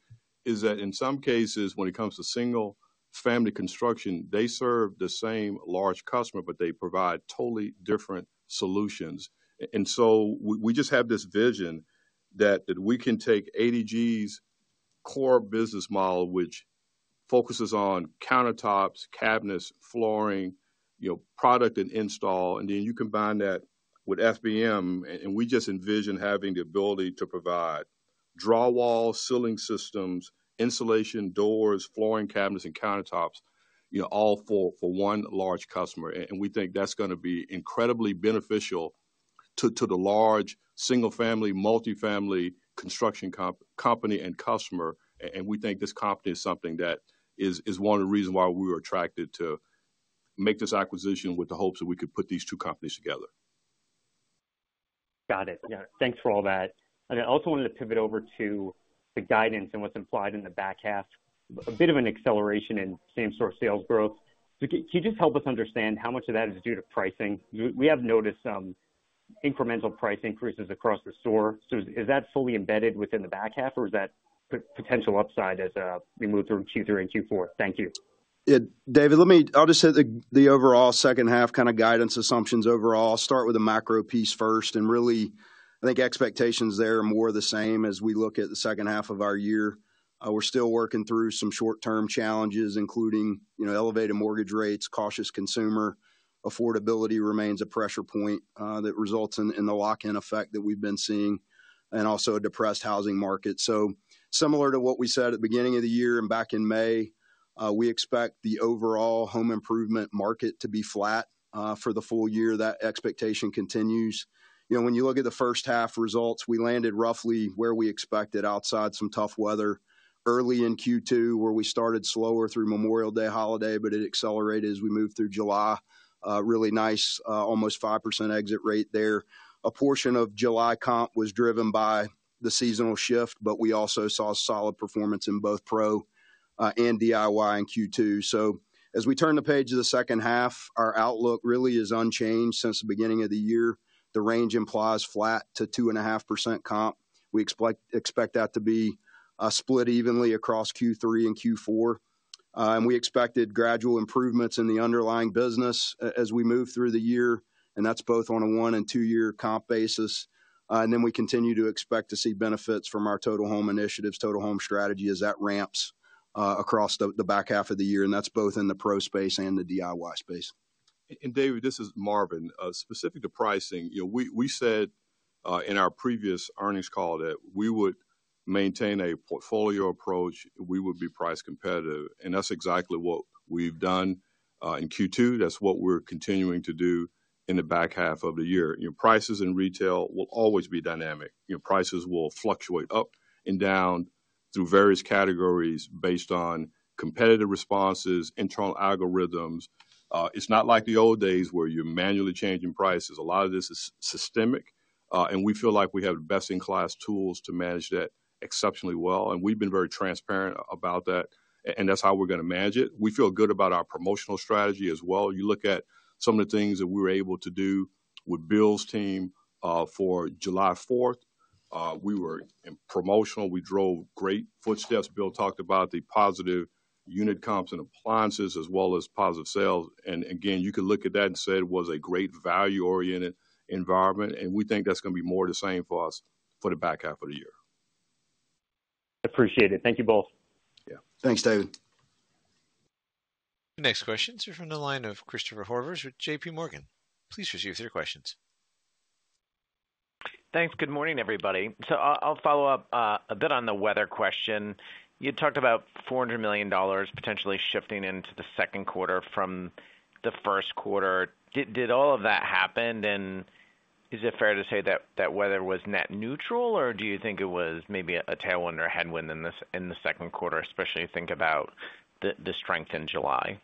is that in some cases when it comes to single family construction, they serve the same large customer, but they provide totally different solutions. We just have this vision that we can take ADG's core business model, which focuses on countertops, cabinets, flooring product and install, and then you combine that with FBM and we just envision having the ability to provide drywall, ceiling systems, insulation, doors, flooring, cabinets, and countertops, all for one large customer. We think that's going to be incredibly beneficial to the large single family, multifamily construction company and customer. We think this company is something that is one of the reasons why we were attracted to make this acquisition with the hopes that we could put these two companies together.
Got it. Yeah, thanks for all that. I also wanted to pivot over to the guidance and what's implied in the back half. A bit of an acceleration in same store sales growth. Can you just help us understand how much of that is due to pricing? We have noticed some incremental price increases across the store. Is that fully embedded within the back half or is that potential upside as we move through Q3 and Q4? Thank you.
Yeah, David, let me, I'll just hit the overall second half kind of guidance assumptions. Overall, start with the macro piece first. I think expectations there are more of the same. As we look at the second half of our year, we're still working through some short term challenges, including elevated mortgage rates. Cautious consumer affordability remains a pressure point that results in the lock in effect that we've been seeing and also a depressed housing market. Similar to what we said at the beginning of the year and back in May, we expect the overall home improvement market to be flat for the full year. That expectation continues. When you look at the first half results, we landed roughly where we expected outside some tough weather early in Q2, where we started slower through Memorial Day holiday, but it accelerated as we moved through July. Really nice, almost 5% exit rate there. A portion of July comp was driven by the seasonal shift, but we also saw solid performance in both Pro and DIY in Q2. As we turn the page of the second half, our outlook really is unchanged since the beginning of the year. The range implies flat to 2.5% comp. We expect that to be split evenly across Q3 and Q4. We expected gradual improvements in the underlying business as we move through the year, and that's both on a one and two year comp basis. We continue to expect to see benefits from our total home initiatives, total home strategy as that ramps across the back half of the year, and that's both in the Pro space and the DIY space.
David, this is Marvin. Specific to pricing, we said in our previous earnings call that we would maintain a portfolio approach, we would be price competitive, and that's exactly what we've done in Q2. That's what we're continuing to do in the back half of the year. Your prices in retail will always be dynamic. Prices will fluctuate up, down through various categories based on competitive responses and internal algorithms. It's not like the old days where you're manually changing prices. A lot of this is systemic, and we feel like we have best-in-class tools to manage that exceptionally well. We've been very transparent about that, and that's how we're going to manage it. We feel good about our promotional strategy as well. You look at some of the things that we were able to do with Bill's team for July 4th. We were in promotional. We drove great footsteps. Bill talked about the positive unit comps in appliances as well as positive sales. You can look at that and say it was a great value-oriented environment. We think that's going to be more the same for us for the back half of the year.
Appreciate it. Thank you both.
Yeah, thanks David.
Next questions are from the line of Christopher Horvers with J.P. Morgan. Please proceed with your questions.
Thanks. Good morning everybody. I'll follow up a bit on the weather question. You talked about $400 million potentially shifting into the second quarter from the first quarter. Did all of that happen, and is it fair to say that that weather was net neutral, or do you think it was maybe a tailwind or headwind in the second quarter, especially thinking about the strength in July.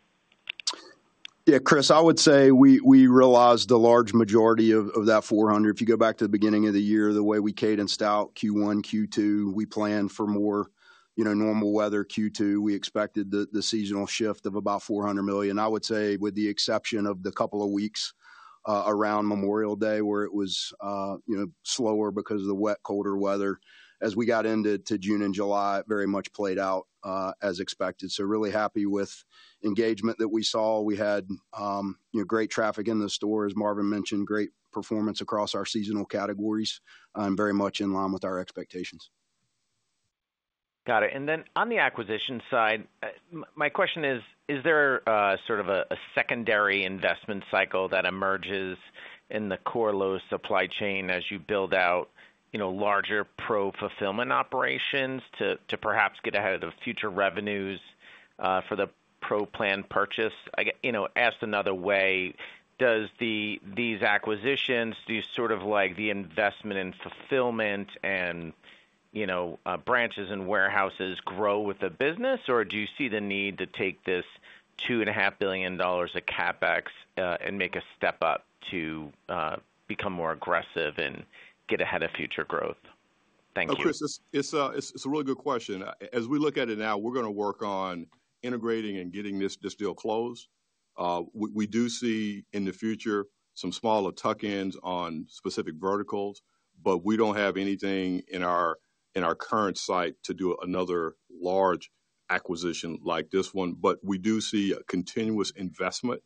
Yeah, Chris, I would say we realized the large majority of that $400 million. If you go back to the beginning of the year, the way we cadenced out Q1, Q2, we planned for more, you know, normal weather. Q2, we expected the seasonal shift of about $400 million. I would say with the exception of the couple of weeks around Memorial Day where it was, you know, slower because of the wet, colder weather. As we got into June and July, very much played out as expected. Really happy with engagement that we saw. We had great traffic in the store, as Marvin mentioned, great performance across our seasonal categories and very much in line with our expectations.
Got it. On the acquisition side, my question is, is there sort of a secondary investment cycle that emerges in the core Lowe’s supply chain as you build out larger Pro fulfillment operations to perhaps get ahead of future revenues for the Pro plan purchase? I get asked another way. Do these acquisitions, do sort of like the investment in fulfillment and branches and warehouses grow with the business, or do you see the need to take this $2.5 billion of CapEx and make a step up to become more aggressive and get ahead of future growth?
Thank you, Chris. It's a really good question. As we look at it now, we're going to work on integrating and getting this deal closed. We do see in the future some smaller tuck ins on specific verticals, but we don't have anything in our current site to do another large acquisition like this one. We do see a continuous investment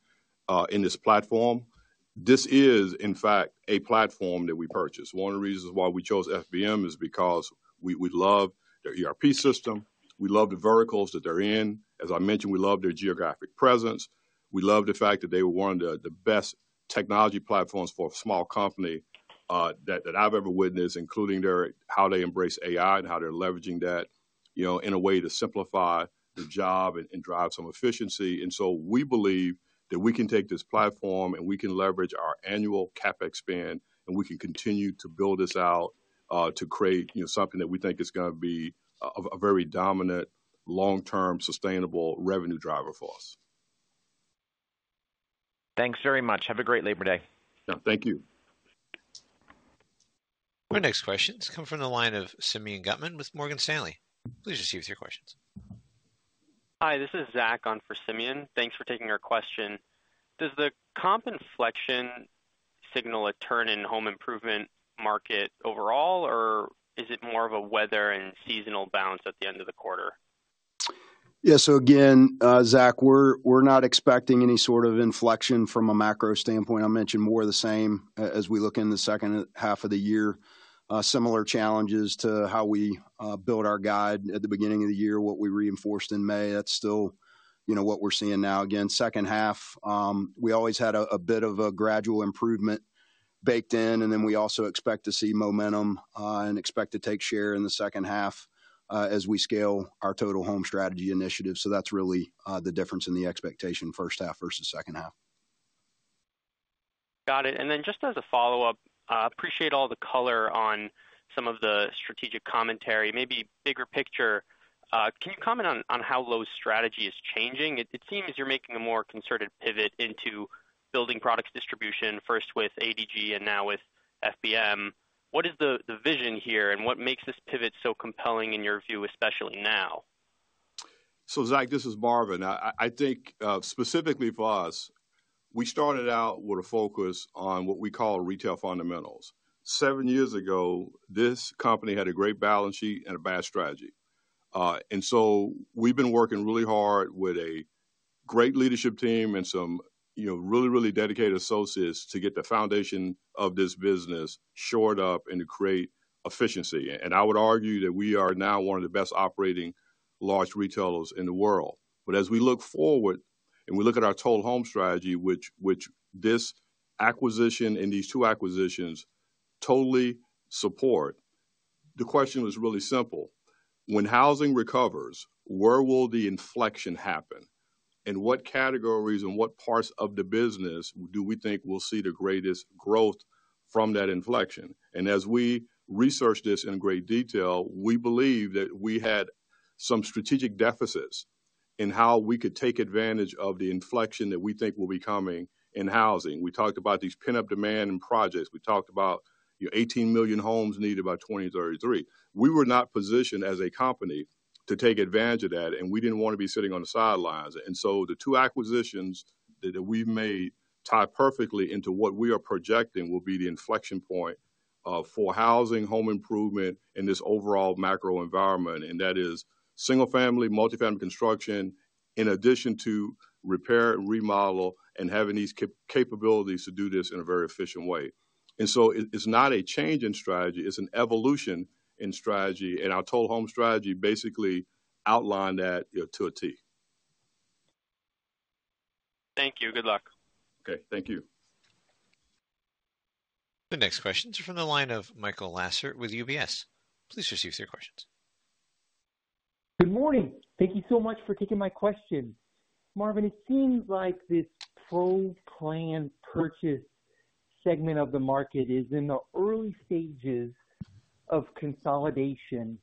in this platform. This is in fact a platform that we purchased. One of the reasons why we chose FBM is because we love their ERP system. We love the verticals that they're in. As I mentioned, we love their geographic presence. We love the fact that they were one of the best technology platforms for a small company that I've ever witnessed, including how they embrace AI and how they're leveraging that in a way to simplify the job and drive some efficiency. We believe that we can take this platform and we can leverage our annual CapEx spend too, and we can continue to build this out to create something that we think is going to be a very dominant, long term sustainable revenue driver for us.
Thanks very much. Have a great Labor Day.
Thank you.
My next questions come from the line of Simeon Gutman with Morgan Stanley. Please receive your questions.
Hi, this is Zach on for Simeon. Thanks for taking our question. Does the comp inflection signal a turn in the home improvement market overall, or is it more of a weather and seasonal bounce at the end of the quarter? Yeah.
Again, Zach, we're not expecting any sort of inflection from a macro standpoint. I mentioned more of the same as we look in the second half of the year. Similar challenges to how we build our guide at the beginning of the year. What we reinforced in May, that's still what we're seeing now. The second half, we always had a bit of a gradual improvement baked in. We also expect to see momentum and expect to take share in the second half as we scale our total home strategy initiatives. That's really the difference in the expectation. First half versus second half.
Got it. Just as a follow-up, appreciate all the color on some of the strategic commentary. Maybe bigger picture, can you comment on how Lowe's strategy is changing? It seems you're making a more concerted pivot into building products distribution, first with ADG and now with FBM. What is the vision here and what makes this pivot so compelling in your view, especially now?
Zach, this is Marvin. I think specifically for us, we started out with a focus on what we call retail fundamentals. Seven years ago, this company had a great balance sheet and a bad strategy. We have been working really hard with a great leadership team and some really, really dedicated associates to get the foundation of this business shored up and to create efficiency. I would argue that we are now one of the best operating large retailers in the world. As we look forward and we look at our total home strategy, which this acquisition and these two acquisitions totally support, the question was really simple. When housing recovers, where will the inflection happen, in what categories, and what parts of the business do we think will see the greatest growth from that inflection? As we researched this in great detail, we believe that we had some strategic deficits in how we could take advantage of the inflection that we think will be coming in housing. We talked about these pent-up demand projects. We talked about 18 million homes needed by 2033. We were not positioned as a company to take advantage of that, and we did not want to be sitting on the sidelines. The two acquisitions that we have made tie perfectly into what we are projecting will be the inflection point for housing home improvement in this overall macro environment. That is single family, multifamily construction in addition to repair, remodel, and having these capabilities to do this in a very efficient way. It is not a change in strategy, it is an evolution in strategy. Our total home strategy basically outlined that to a T.
Thank you. Good luck.
Okay, thank you.
The next questions are from the line of Michael Lassert with UBS. Please receive your questions.
Good morning. Thank you so much for taking my question, Marvin. It seems like this Pro plan purchase segment of the market is in the early stages of consolidation.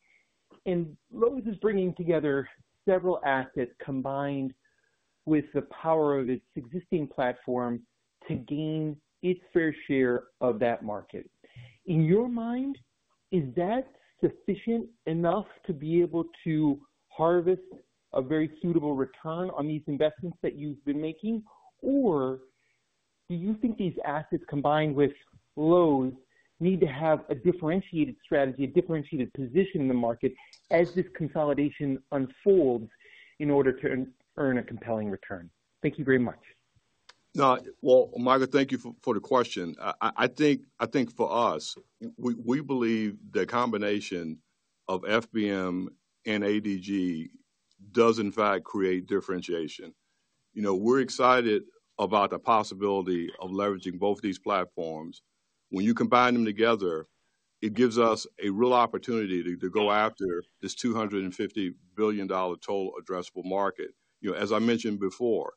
Lowe's is bringing together several assets combined with the power of its existing platform to gain its fair share of that market. In your mind, is that sufficient enough to be able to harvest a very suitable return on these investments that you've been making? Do you think these assets combined with Lowe's need to have a differentiated strategy, a differentiated position in the market as this consolidation unfolds in order to earn a compelling return? Thank you very much.
Michael, thank you for the question. I think for us, we believe the combination of FBM and ADG does in fact create differentiation. We're excited about the possibility of leveraging both these platforms. When you combine them together, it gives us a real opportunity to go after this $250 billion total addressable market. You know, as I mentioned before,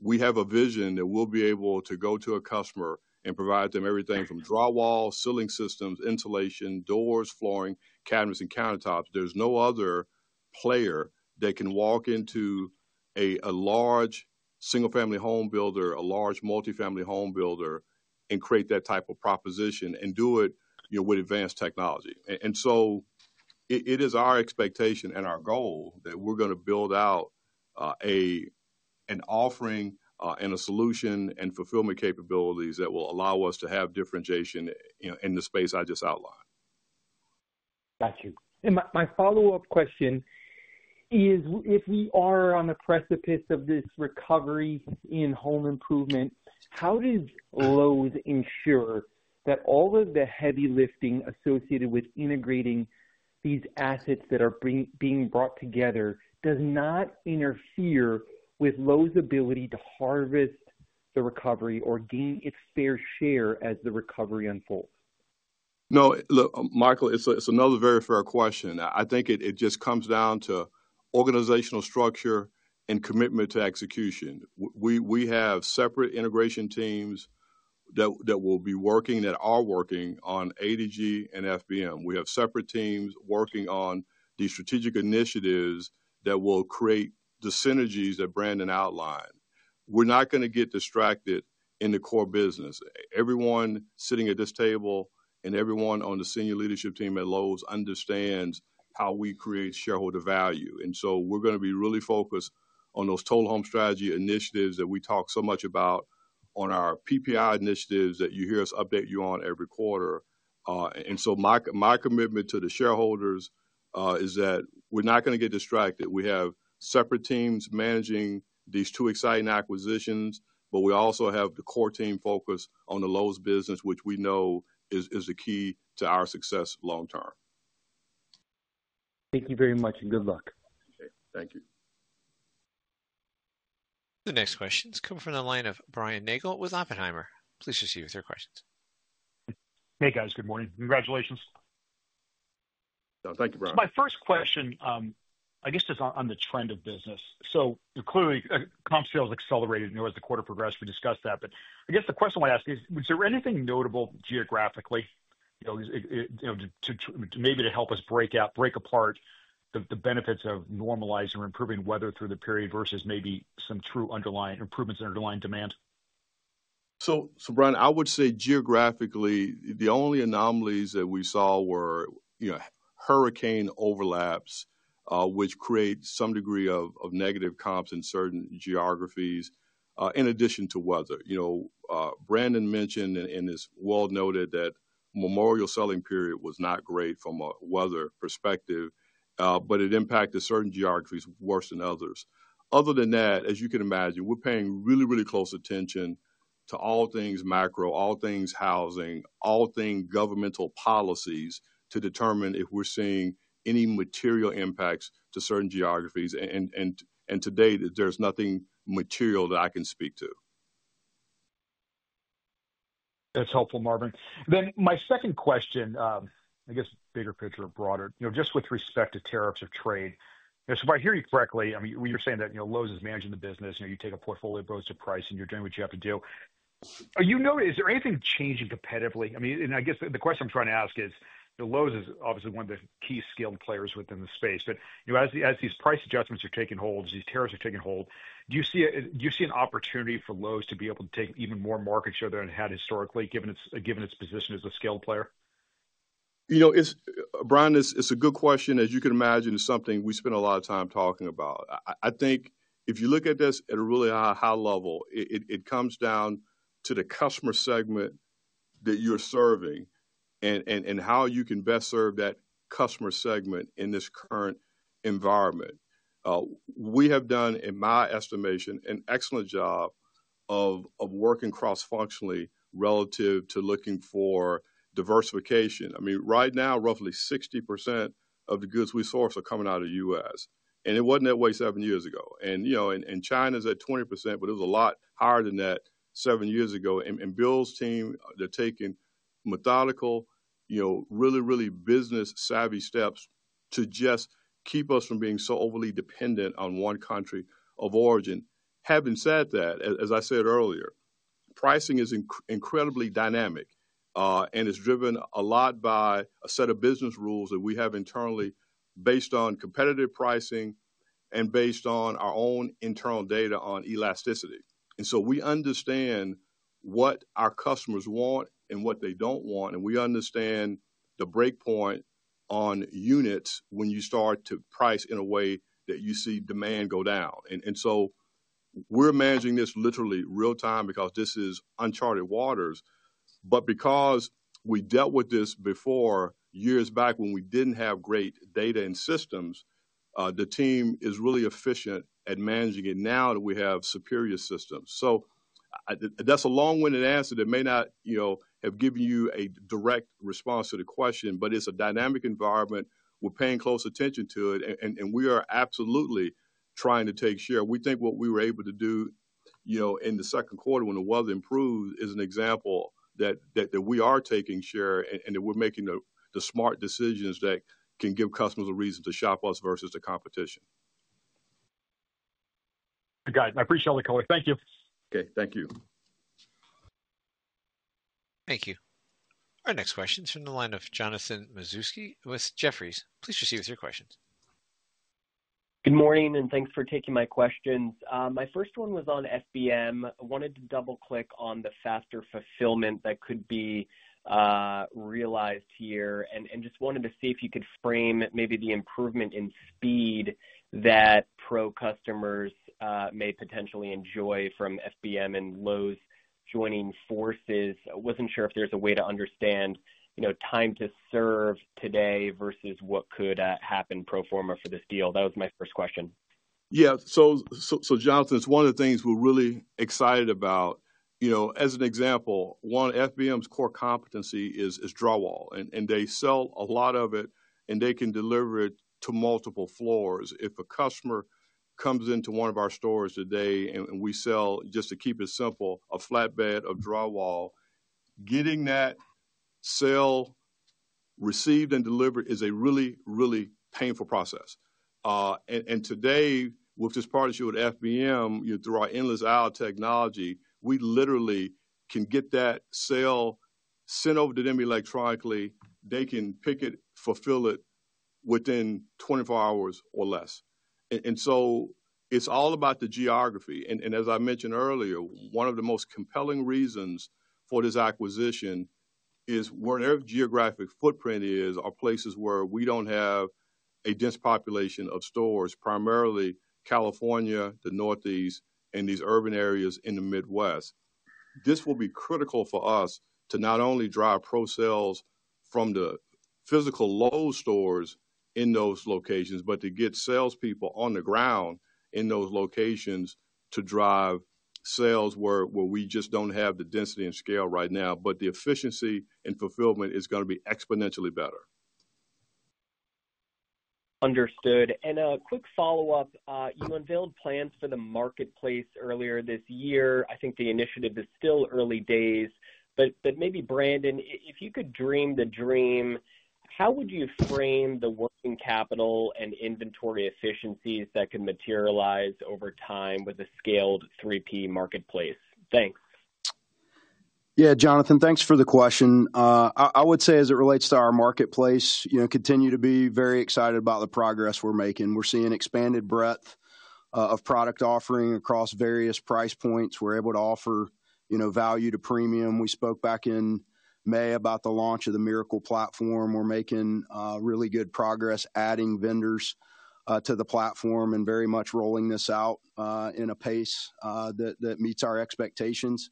we have a vision that we'll be able to go to a customer and provide them everything from drywall, ceiling systems, insulation, doors, flooring, cabinets, and countertops. There's no other player that can walk into a large single family home builder, a large multifamily home builder, and create that type of proposition and do it with advanced technology. It is our expectation and our goal that we're going to build out an offering and a solution and fulfillment capabilities that will allow us to have differentiation in the space I just outlined.
Got you. My follow up question is, if we are on the precipice of this recovery in home improvement, how does Lowe's ensure that all of the heavy lifting associated with integrating these assets that are being brought together does not interfere with Lowe's ability to harvest the recovery or gain its fair share as the recovery unfolds?
No, Michael, it's another very fair question. I think it just comes down to organizational structure and commitment to execution. We have separate integration teams that are working on ADG and FBM. We have separate teams working on these strategic initiatives that will create the synergies that Brandon outlined. We're not going to get distracted in the core business. Everyone sitting at this table and everyone on the Senior Leadership Team at Lowe's understands how we create shareholder value. We're going to be really focused on those total home strategy initiatives that we talk so much about on our PPI initiatives that you hear us update you on every quarter. My commitment to the shareholders is that we're not going to get distracted. We have separate teams managing these two exciting acquisitions, but we also have the core team focused on the Lowe's business, which we know is the key to our success long term.
Thank you very much and good luck. Thank you.
The next questions come from the line of Brian Nagel with Oppenheimer. Please just use your questions.
Hey, guys. Good morning. Congratulations.
Thank you, Brian.
My first question, I guess, is on the trend of business. Clearly, comp sales accelerated as the quarter progressed. We discussed that. I guess the question I want to ask is, was there anything notable geographically, maybe to help us break out, break apart the benefits of normalizing or improving weather through the period versus maybe some true underlying improvements in underlying demand?
Brian, I would say geographically, the only anomalies that we saw were, you know, hurricane overlaps, which create some degree of negative comps in certain geographies in addition to weather. You know, Brandon mentioned in this world, noted that Memorial selling period was not great from a weather perspective, but it impacted certain geographies worse than others. Other than that, as you can imagine, we're paying really, really close attention to all things macro, all things housing, all things governmental policies to determine if we're seeing any material impacts to certain geographies. Today, there's nothing material that I can speak to.
That's helpful, Marvin. My second question, I guess, bigger picture, broader, just with respect to tariffs or trade. If I hear you correctly, when you're saying that Lowe's is managing the business, you take a portfolio, posted price, and you're doing what you have to do. Is there anything changing competitively? I guess the question I'm trying to ask is, Lowe's is obviously one of the key skilled players within the space. As these price adjustments are taking hold, these tariffs are taking hold, do you see an opportunity for Lowe's to be able to take even more market share there, historically, given its position as a skilled player?
You know, Brian, it's a good question. As you can imagine, it's something we spend a lot of time talking about. I think if you look at this at a really high level, it comes down to the customer segment that you're serving and how you can best serve that customer segment in this current environment. We have done, in my estimation, an excellent job of working cross-functionally relative to looking for diversification. Right now, roughly 60% of the goods we source are coming out of the U.S., and it wasn't that way seven years ago. China's at 20%, but it was a lot higher than that seven years ago. Bill's team, they're taking methodical, really, really business-savvy steps to just keep us from being so overly dependent on one country of origin. Having said that, as I said earlier, pricing is incredibly dynamic and is driven a lot by a set of business rules that we have internally based on competitive pricing and based on our own internal data on elasticity. We understand what our customers want and what they don't want. We understand the breakpoint on units when you start to price in a way that you see demand go down. We're managing this literally real time because this is uncharted waters. Because we dealt with this before, years back when we didn't have great data and systems, the team is really efficient at managing it now that we have superior systems. That's a long-winded answer that may not have given you a direct response to the question, but it's a dynamic environment. We're paying close attention to it, and we are absolutely trying to take share. We think what we were able to do in the second quarter when the weather improved is an example that we are taking share and that we're making the smart decisions that can give customers a reason to shop us versus the competition.
Got it. I appreciate all the color. Thank you.
Okay, thank you.
Thank you. Our next question is from the line of Jonathan Mazewski with Jefferies. Please proceed with your questions.
Good morning and thanks for taking my questions. My first one was on FBM. Wanted to double click on the faster fulfillment that could be realized here and just wanted to see if you could frame maybe the improvement in speed that Pro customers may potentially enjoy from FBM and Lowe's joining forces. Wasn't sure if there's a way to understand, you know, time to serve today versus what could happen pro forma for this deal. That was my first question.
Yeah, so Jonathan, it's one of the things we're really excited about. You know, as an example, one, FBM's core competency is drywall and they sell a lot of it and they can deliver it to multiple floors. If a customer comes into one of our stores today and we sell, just to keep it simple, a flatbed of drywall, getting that sale received and delivered is a really, really painful process. Today, with this partnership with FBM, through our endless aisle technology, we literally can get that sale sent over to them electronically. They can pick it, fulfill it within 24 hours or less. It's all about the geography. As I mentioned earlier, one of the most compelling reasons for this acquisition is where their geographic footprint is are places where we don't have a dense population of stores, primarily California, the Northeast, and these urban areas in the Midwest. This will be critical for us to not only drive Pro sales from the physical Lowe's stores in those locations, but to get salespeople on the ground in those locations to drive sales where we just don't have the density and scale right now, but the efficiency and fulfillment is going to be exponentially better.
Understood. Quick follow up. You unveiled plans for the marketplace earlier this year. I think the initiative is still early days, but maybe, Brandon, if you could dream the dream, how would you frame the working capital and inventory efficiencies that can materialize over time with the scaled 3P marketplace? Thanks.
Yeah, Jonathan, thanks for the question. I would say as it relates to our marketplace, we continue to be very excited about the progress we're making. We're seeing expanded breadth of product offering across various price points. We're able to offer, you know, value to premium. We spoke back in May about the launch of the Miracle platform. We're making really good progress adding vendors to the platform and very much rolling this out in a pace that meets our expectations.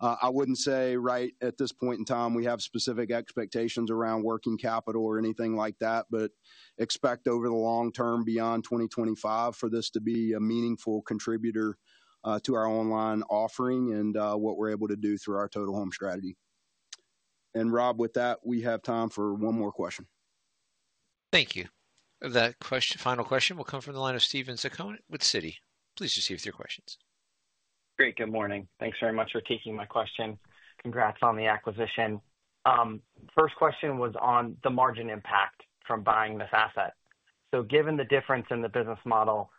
I wouldn't say right at this point in time we have specific expectations around working capital or anything like that, but expect over the long term beyond 2025 for this to be a meaningful contributor to our online offering and what we're able to do through our total home strategy. Rob, with that we have time for one more question.
Thank you. That final question will come from the line of Steven Zaccone with Citi. Please proceed with your questions.
Great. Good morning. Thanks very much for taking my question. Congrats on the acquisition. First question was on the margin impact from buying this asset. Given the difference in the business model,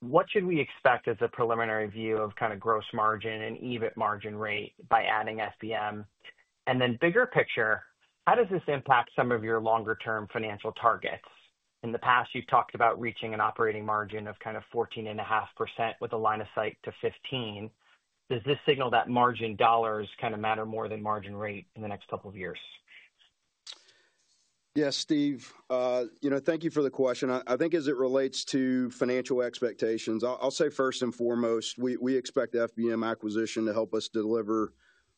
what should we expect as a preliminary view of kind of gross margin and EBIT margin rate by adding FBM? Bigger picture, how does this impact some of your longer term financial targets? In the past you talked about reaching an operating margin of kind of 14.5% with a line of sight to 15%. Does this signal that margin dollars kind of matter more than margin rate in the next couple of years?
Yes, Steve, thank you for the question. I think as it relates to financial expectations, I'll say first and foremost we expect the FBM acquisition to help us deliver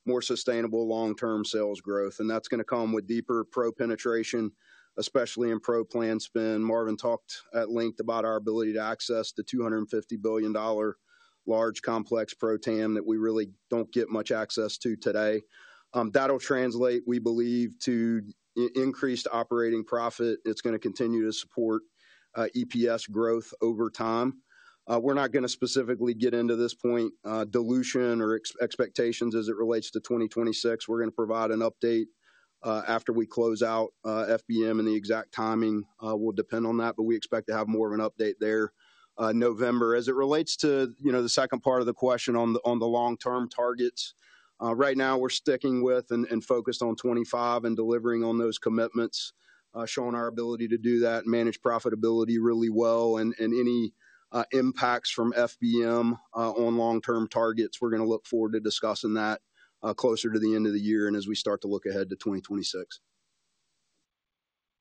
more sustainable long term sales growth. That is going to come with deeper Pro penetration, especially in Pro plan spend. Marvin talked at length about our ability to access the $250 billion large complex Pro TAM that we really do not get much access to today. That will translate, we believe, to increased operating profit. It is going to continue to support EPS growth over time. We are not going to specifically get into this point dilution or expectations as it relates to 2026. We are going to provide an update after we close out FBM, and the exact timing will depend on that. We expect to have more of an update there in November. As it relates to the second part of the question on the long term targets, right now we are sticking with and focused on 2025 and delivering on those commitments, showing our ability to do that and manage profitability really well. Any impacts from FBM on long term targets, we are going to look forward to discussing that closer to the end of the year and as we start to look ahead to 2026.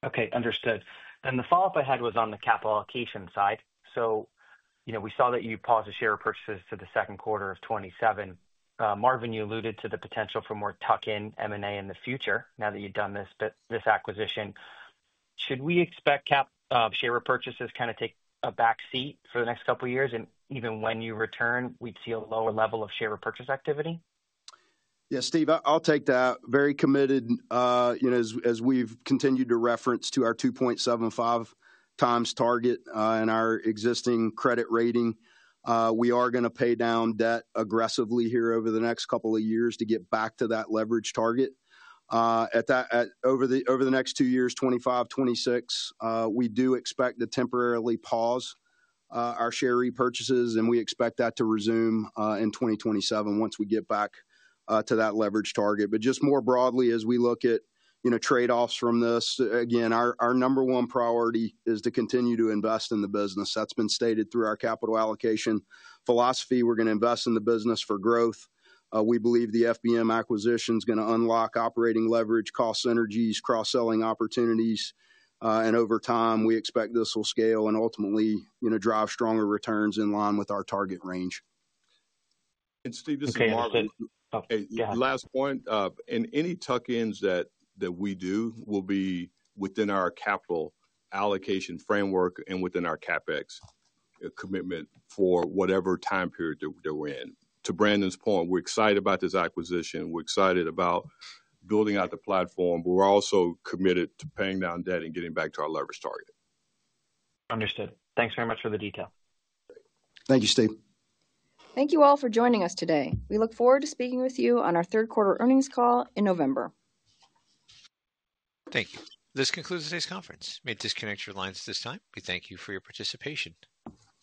Okay, understood. The follow up ahead was on the capital allocation side. You know, we saw that you paused the share repurchases to Q2 2027. Marvin, you alluded to the potential for more tuck-in M&A in the future now that you've done this acquisition. Should we expect cap share repurchases kind of take a backseat for the next couple years, and even when you return, we'd see a lower level of share repurchase activity?
Yeah, Steve, I'll take that. Very committed. You know, as we've continued to reference our 2.75 times target and our existing credit rating, we are going to pay down debt aggressively here over the next couple of years to get back to that leverage target over the next two years, 2025, 2026. We do expect to temporarily pause our share repurchases, and we expect that to resume in 2027 once we get back to that leverage target. More broadly, as we look at trade-offs from this, again, our number one priority is to continue to invest in the business. That's been stated through our capital allocation philosophy. We're going to invest in the business for growth. We believe the FBM acquisition is going to unlock operating leverage, cost synergies, and cross-selling opportunities. Over time, we expect this will scale and ultimately drive stronger returns in line with our target range.
Steve, this is Marvin. Last point, any tuck-ins that we do will be within our capital allocation framework and within our CapEx commitment for whatever time period that we're in. To Brandon's point, we're excited about this acquisition. We're excited about building out the platform, but we're also committed to paying down debt and getting back to our leverage target.
Understood. Thanks very much for the detail.
Thank you, Steve.
Thank you all for joining us today. We look forward to speaking with you on our third quarter earnings call in November.
Thank you. This concludes today's conference. You may disconnect your lines at this time. We thank you for your participation.